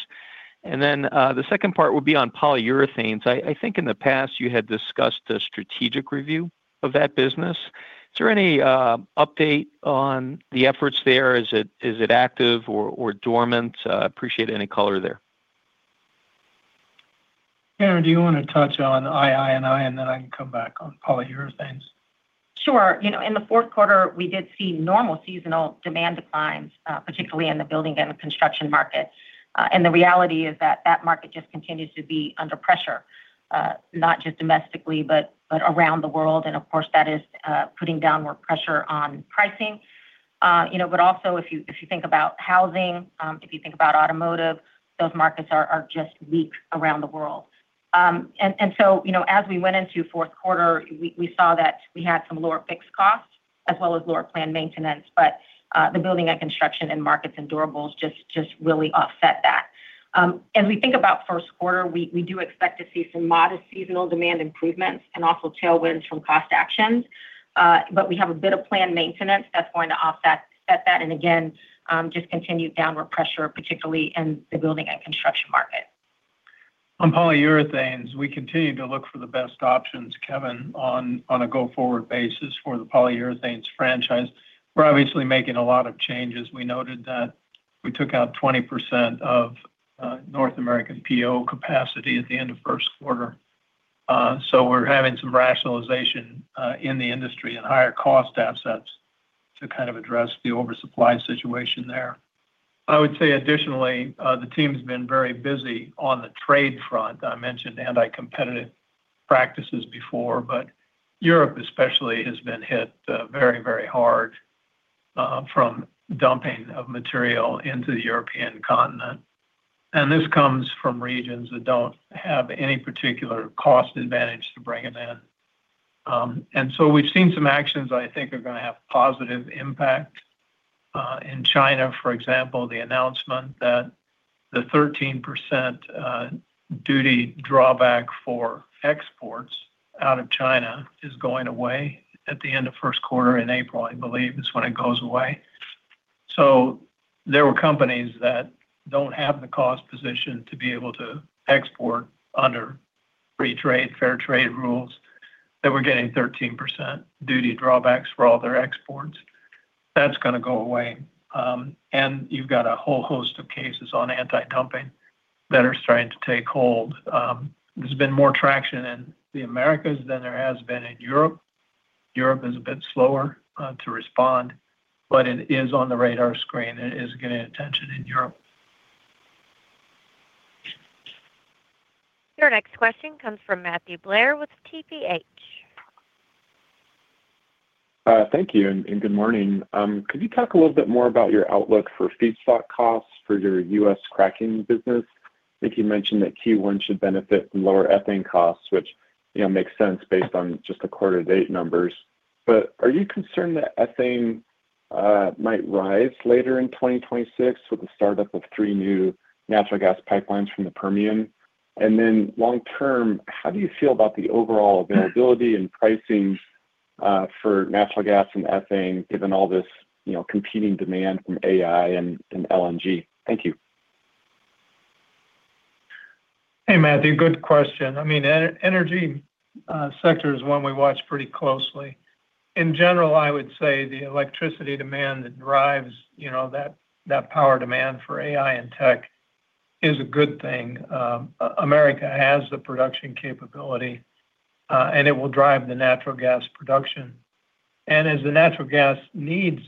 Speaker 11: And then the second part would be on Polyurethanes. I think in the past you had discussed a strategic review of that business. Is there any update on the efforts there? Is it active or dormant? Appreciate any color there.
Speaker 3: Karen, do you want to touch on II&I, and then I can come back on Polyurethanes?
Speaker 4: Sure. You know, in the fourth quarter, we did see normal seasonal demand declines, particularly in the building and the construction markets. And the reality is that that market just continues to be under pressure, not just domestically, but, but around the world, and of course, that is, putting downward pressure on pricing. You know, but also, if you, if you think about housing, if you think about automotive, those markets are, are just weak around the world. And, and so, you know, as we went into fourth quarter, we, we saw that we had some lower fixed costs as well as lower planned maintenance, but, the building and construction end markets and durables just, just really offset that. As we think about first quarter, we do expect to see some modest seasonal demand improvements and also tailwinds from cost actions. But we have a bit of planned maintenance that's going to offset that and again, just continued downward pressure, particularly in the building and construction market.
Speaker 3: On polyurethanes, we continue to look for the best options, Kevin, on a go-forward basis for the polyurethanes franchise. We're obviously making a lot of changes. We noted that we took out 20% of North American PO capacity at the end of first quarter. So we're having some rationalization in the industry and higher cost assets to kind of address the oversupply situation there. I would say additionally, the team's been very busy on the trade front. I mentioned anti-competitive practices before, but Europe especially has been hit very, very hard from dumping of material into the European continent. And this comes from regions that don't have any particular cost advantage to bring it in. And so we've seen some actions I think are gonna have positive impact. In China, for example, the announcement that the 13% duty drawback for exports out of China is going away at the end of first quarter in April, I believe, is when it goes away. So there were companies that don't have the cost position to be able to export under free trade, fair trade rules, that were getting 13% duty drawbacks for all their exports. That's gonna go away. And you've got a whole host of cases on anti-dumping that are starting to take hold. There's been more traction in the Americas than there has been in Europe. Europe is a bit slower to respond, but it is on the radar screen and is getting attention in Europe.
Speaker 1: Your next question comes from Matthew Blair with TPH....
Speaker 12: Thank you, and good morning. Could you talk a little bit more about your outlook for feedstock costs for your U.S. cracking business? I think you mentioned that Q1 should benefit from lower ethane costs, which, you know, makes sense based on just the quarter to date numbers. But are you concerned that ethane might rise later in 2026 with the startup of three new natural gas pipelines from the Permian? And then long term, how do you feel about the overall availability and pricing for natural gas and ethane, given all this, you know, competing demand from AI and LNG? Thank you.
Speaker 3: Hey, Matthew, good question. I mean, energy sector is one we watch pretty closely. In general, I would say the electricity demand that drives, you know, that, that power demand for AI and tech is a good thing. America has the production capability, and it will drive the natural gas production. And as the natural gas needs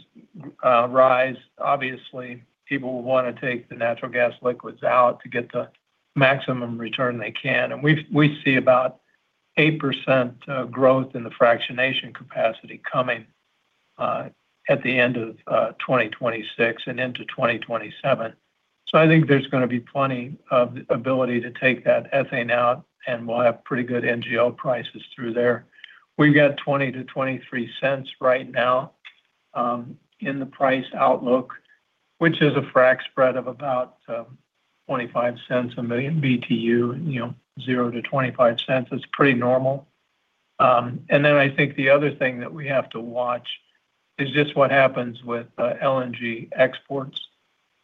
Speaker 3: rise, obviously, people will wanna take the natural gas liquids out to get the maximum return they can. And we see about 8% growth in the fractionation capacity coming at the end of 2026 and into 2027. So I think there's gonna be plenty of ability to take that ethane out, and we'll have pretty good NGL prices through there. We've got $0.20-$0.23 right now in the price outlook, which is a frac spread of about $0.25 per 1 million BTU, you know, $0-$0.25. It's pretty normal. And then I think the other thing that we have to watch is just what happens with LNG exports.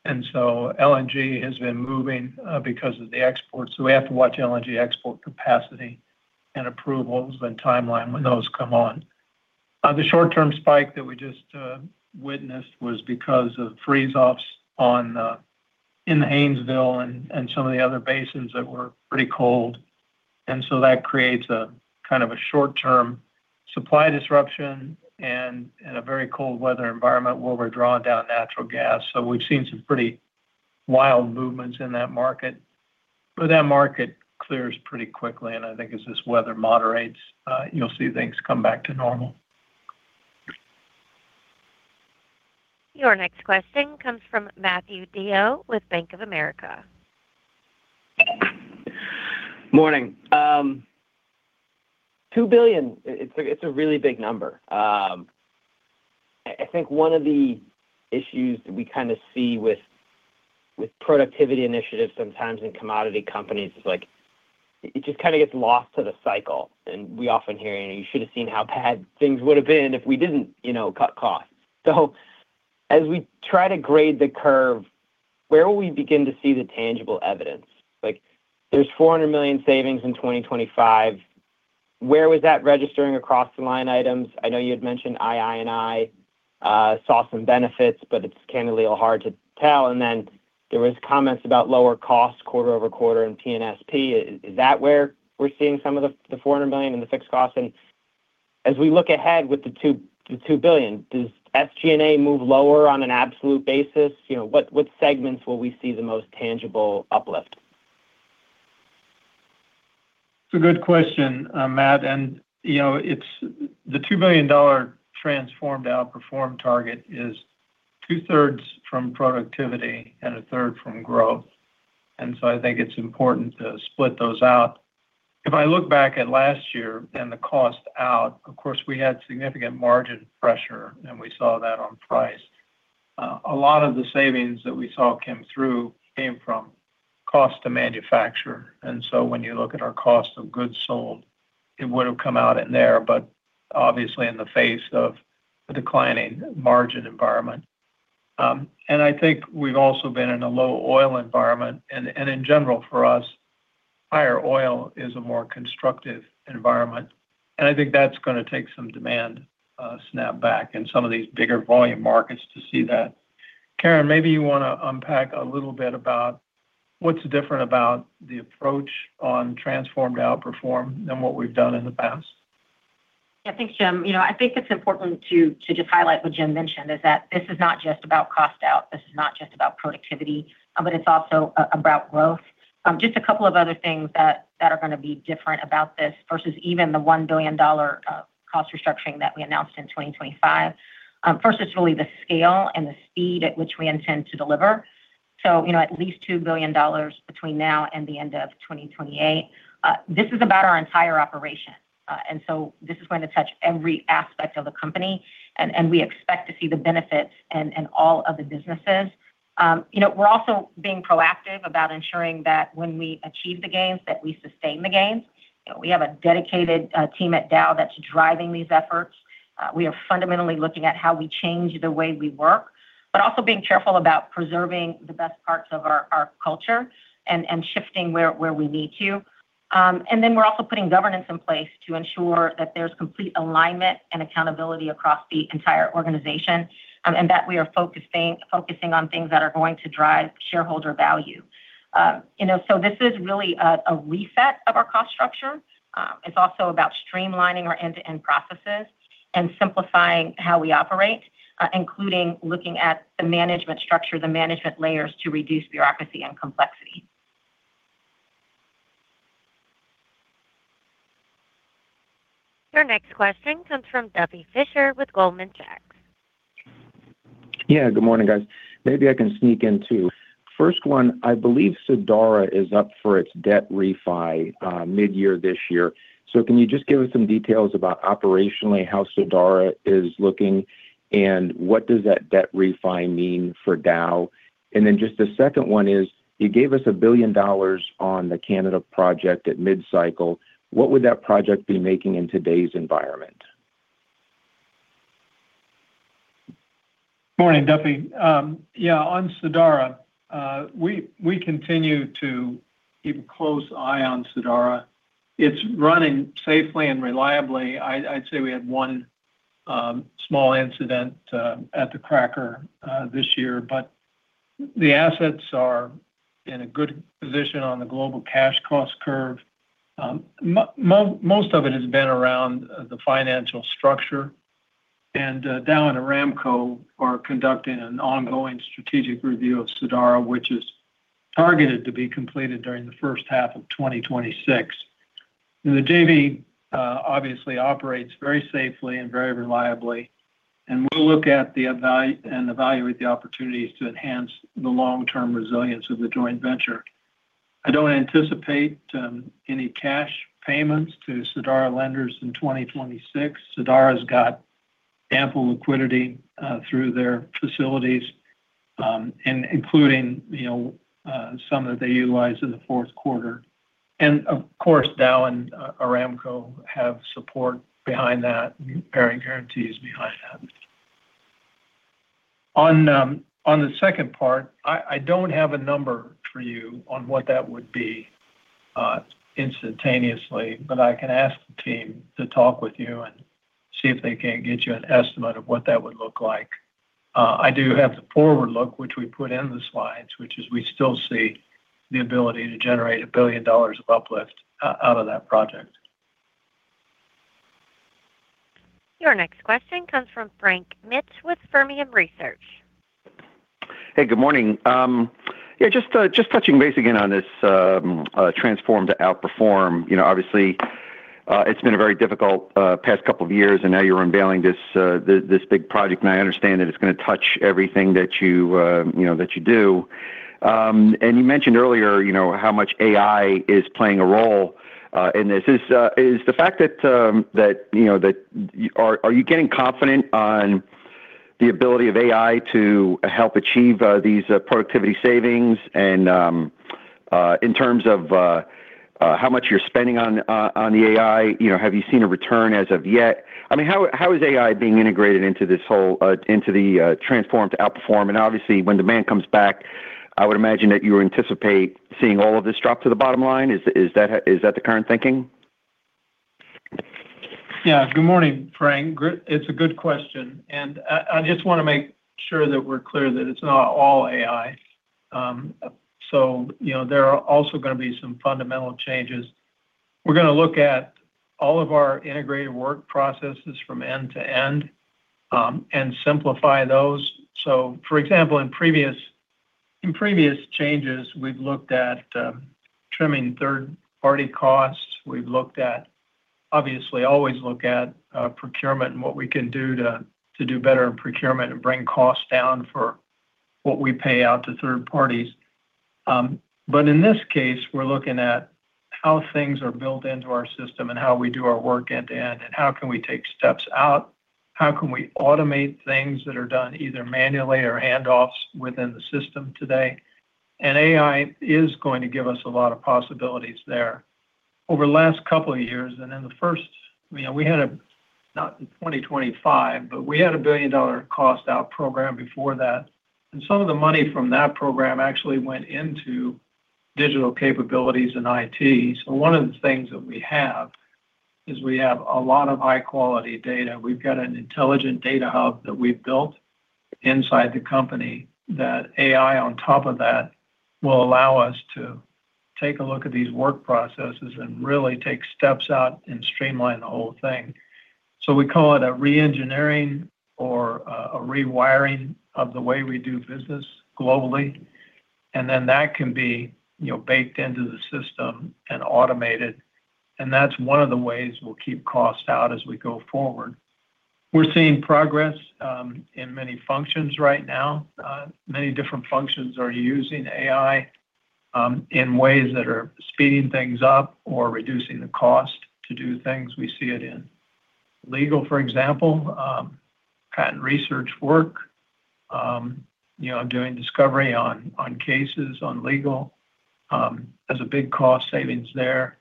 Speaker 3: And so LNG has been moving because of the exports, so we have to watch LNG export capacity and approvals and timeline when those come on. The short-term spike that we just witnessed was because of freeze-offs in the Haynesville and some of the other basins that were pretty cold. And so that creates a kind of a short-term supply disruption and a very cold weather environment where we're drawing down natural gas. So we've seen some pretty wild movements in that market, but that market clears pretty quickly, and I think as this weather moderates, you'll see things come back to normal.
Speaker 1: Your next question comes from Matthew DeYoe with Bank of America.
Speaker 13: Morning. Two billion, it's a really big number. I think one of the issues that we kind of see with productivity initiatives sometimes in commodity companies is like, it just kind of gets lost to the cycle. And we often hear, "You should have seen how bad things would have been if we didn't, you know, cut costs." So as we try to grade the curve, where will we begin to see the tangible evidence? Like, there's $400 million savings in 2025. Where was that registering across the line items? I know you had mentioned II&I and saw some benefits, but it's candidly all hard to tell. And then there was comments about lower costs quarter-over-quarter in P&SP. Is that where we're seeing some of the $400 million in the fixed costs? As we look ahead with the $2, the $2 billion, does SG&A move lower on an absolute basis? You know, what, what segments will we see the most tangible uplift?
Speaker 3: It's a good question, Matt, and, you know, it's... The $2 billion Transform to Outperform target is two-thirds from productivity and a third from growth, and so I think it's important to split those out. If I look back at last year and the cost out, of course, we had significant margin pressure, and we saw that on price. A lot of the savings that we saw came through, came from cost to manufacture. And so when you look at our cost of goods sold, it would have come out in there, but obviously in the face of a declining margin environment. And I think we've also been in a low oil environment, and, and in general, for us, higher oil is a more constructive environment, and I think that's gonna take some demand, snap back in some of these bigger volume markets to see that. Karen, maybe you wanna unpack a little bit about what's different about the approach on Transform to Outperform than what we've done in the past.
Speaker 4: Yeah. Thanks, Jim. You know, I think it's important to just highlight what Jim mentioned, is that this is not just about cost out, this is not just about productivity, but it's also about growth. Just a couple of other things that are gonna be different about this versus even the $1 billion cost restructuring that we announced in 2025. First, it's really the scale and the speed at which we intend to deliver, so, you know, at least $2 billion between now and the end of 2028. This is about our entire operation, and so this is going to touch every aspect of the company, and we expect to see the benefits in all of the businesses. You know, we're also being proactive about ensuring that when we achieve the gains, that we sustain the gains. We have a dedicated team at Dow that's driving these efforts. We are fundamentally looking at how we change the way we work, but also being careful about preserving the best parts of our culture and shifting where we need to. And then we're also putting governance in place to ensure that there's complete alignment and accountability across the entire organization, and that we are focusing on things that are going to drive shareholder value. You know, so this is really a reset of our cost structure. It's also about streamlining our end-to-end processes and simplifying how we operate, including looking at the management structure, the management layers to reduce bureaucracy and complexity.
Speaker 1: Your next question comes from Duffy Fischer with Goldman Sachs.
Speaker 14: Yeah, good morning, guys. Maybe I can sneak in, too. First one, I believe Sadara is up for its debt refi midyear this year. So can you just give us some details about operationally how Sadara is looking, and what does that debt refi mean for Dow? And then just the second one is, you gave us $1 billion on the Canada project at mid-cycle. What would that project be making in today's environment?
Speaker 3: Morning, Duffy. Yeah, on Sadara, we continue to keep a close eye on Sadara. It's running safely and reliably. I'd say we had one small incident at the cracker this year, but the assets are in a good position on the global cash cost curve. Most of it has been around the financial structure, and Dow and Aramco are conducting an ongoing strategic review of Sadara, which is targeted to be completed during the first half of 2026. The JV obviously operates very safely and very reliably, and we'll look at the evaluate and evaluate the opportunities to enhance the long-term resilience of the joint venture. I don't anticipate any cash payments to Sadara lenders in 2026. Sadara's got ample liquidity through their facilities, and including, you know, some that they utilized in the fourth quarter. And of course, Dow and Aramco have support behind that, parent guarantees behind that. On the second part, I don't have a number for you on what that would be instantaneously, but I can ask the team to talk with you and see if they can get you an estimate of what that would look like. I do have the forward look, which we put in the slides, which is we still see the ability to generate $1 billion of uplift out of that project.
Speaker 1: Your next question comes from Frank Mitsch with Fermium Research.
Speaker 15: Hey, good morning. Yeah, just touching base again on this Transform to Outperform. You know, obviously, it's been a very difficult past couple of years, and now you're unveiling this big project, and I understand that it's gonna touch everything that you, you know, that you do. And you mentioned earlier, you know, how much AI is playing a role in this. Are you getting confident on the ability of AI to help achieve these productivity savings? And in terms of how much you're spending on the AI, you know, have you seen a return as of yet? I mean, how is AI being integrated into this whole, into the Transform to Outperform? Obviously, when demand comes back, I would imagine that you anticipate seeing all of this drop to the bottom line. Is, is that, is that the current thinking?
Speaker 3: Yeah. Good morning, Frank. It's a good question, and I just wanna make sure that we're clear that it's not all AI. So, you know, there are also gonna be some fundamental changes. We're gonna look at all of our integrated work processes from end to end, and simplify those. So for example, in previous changes, we've looked at trimming third-party costs. We've looked at, obviously, always look at procurement and what we can do to do better in procurement and bring costs down for what we pay out to third parties. But in this case, we're looking at how things are built into our system and how we do our work end to end, and how can we take steps out? How can we automate things that are done either manually or handoffs within the system today? AI is going to give us a lot of possibilities there. Over the last couple of years, you know, we had a, not in 2025, but we had a billion-dollar cost out program before that, and some of the money from that program actually went into digital capabilities and IT. So one of the things that we have is we have a lot of high-quality data. We've got an intelligent data hub that we've built inside the company that AI on top of that will allow us to take a look at these work processes and really take steps out and streamline the whole thing. So we call it a reengineering or, a rewiring of the way we do business globally, and then that can be, you know, baked into the system and automated, and that's one of the ways we'll keep costs out as we go forward. We're seeing progress in many functions right now. Many different functions are using AI in ways that are speeding things up or reducing the cost to do things. We see it in legal, for example, patent research work. You know, doing discovery on, on cases, on legal, there's a big cost savings there.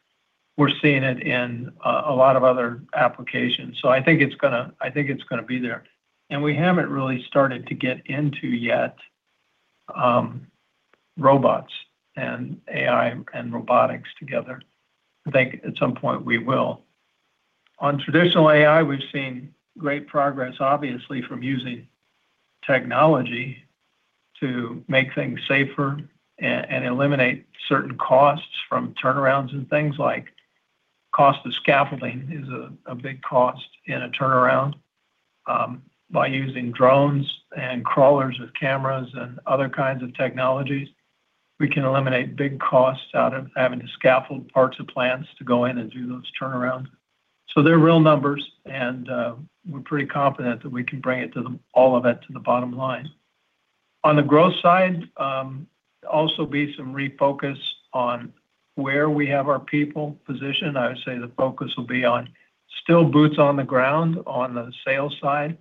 Speaker 3: We're seeing it in a lot of other applications, so I think it's gonna, I think it's gonna be there. And we haven't really started to get into yet robots and AI and robotics together. I think at some point we will. On traditional AI, we've seen great progress, obviously, from using technology to make things safer and eliminate certain costs from turnarounds and things like cost of scaffolding is a big cost in a turnaround. By using drones and crawlers with cameras and other kinds of technologies, we can eliminate big costs out of having to scaffold parts of plants to go in and do those turnarounds. So they're real numbers, and we're pretty confident that we can bring it to the, all of it to the bottom line. On the growth side, also be some refocus on where we have our people positioned. I would say the focus will be on still boots on the ground on the sales side,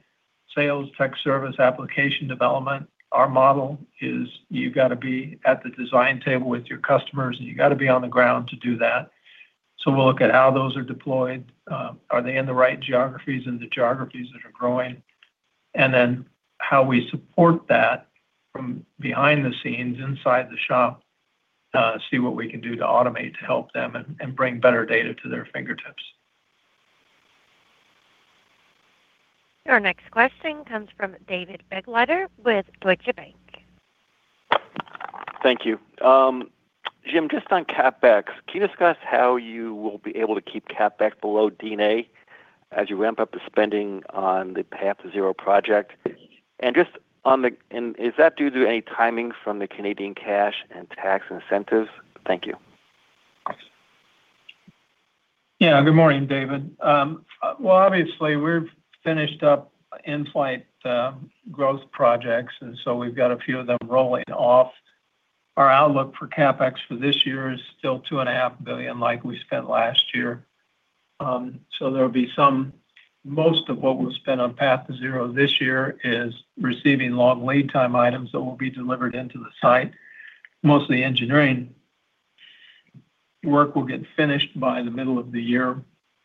Speaker 3: sales, tech service, application development. Our model is you've got to be at the design table with your customers, and you've got to be on the ground to do that. So we'll look at how those are deployed. Are they in the right geographies, in the geographies that are growing? And then how we support that from behind the scenes, inside the shop, see what we can do to automate, to help them and bring better data to their fingertips.
Speaker 1: Your next question comes from David Begleiter with Deutsche Bank.
Speaker 16: Thank you. Jim, just on CapEx, can you discuss how you will be able to keep CapEx below D&A as you ramp up the spending on the Path2Zero project? And is that due to any timing from the Canadian cash and tax incentives? Thank you.
Speaker 3: Yeah. Good morning, David. Well, obviously, we've finished up in-flight growth projects, and so we've got a few of them rolling off. Our outlook for CapEx for this year is still $2.5 billion, like we spent last year. So there'll be some—most of what we'll spend on Path2Zero this year is receiving long lead time items that will be delivered into the site. Most of the engineering work will get finished by the middle of the year,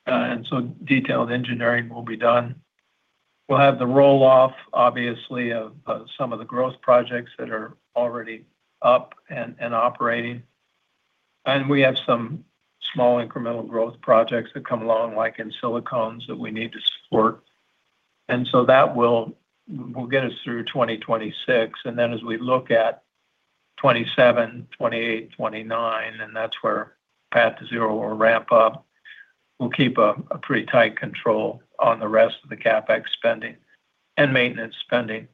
Speaker 3: and so detailed engineering will be done. We'll have the roll-off, obviously, of some of the growth projects that are already up and operating. And we have some small incremental growth projects that come along, like in silicones, that we need to support. And so that will get us through 2026. </transcript And then as we look at 2027, 2028, 2029, and that's where Path2Zero will ramp up, we'll keep a pretty tight control on the rest of the CapEx spending and maintenance spending.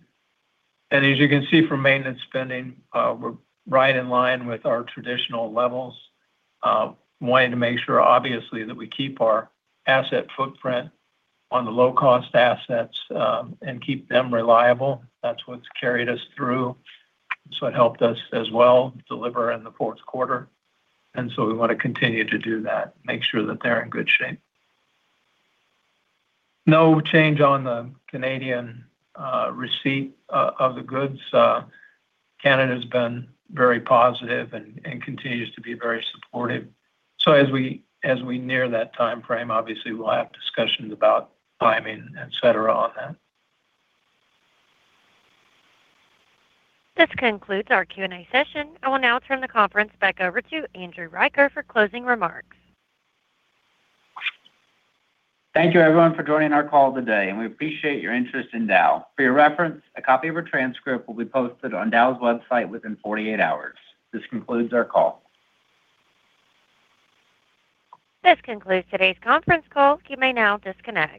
Speaker 3: And as you can see from maintenance spending, we're right in line with our traditional levels, wanting to make sure, obviously, that we keep our asset footprint on the low-cost assets, and keep them reliable. That's what's carried us through. So it helped us as well deliver in the fourth quarter, and so we want to continue to do that, make sure that they're in good shape. No change on the Canadian receipt of the goods. Canada's been very positive and continues to be very supportive. So as we near that timeframe, obviously, we'll have discussions about timing, et cetera, on that.
Speaker 1: This concludes our Q&A session. I will now turn the conference back over to Andrew Riker for closing remarks.
Speaker 2: Thank you, everyone, for joining our call today, and we appreciate your interest in Dow. For your reference, a copy of a transcript will be posted on Dow's website within 48 hours. This concludes our call.
Speaker 1: This concludes today's conference call. You may now disconnect.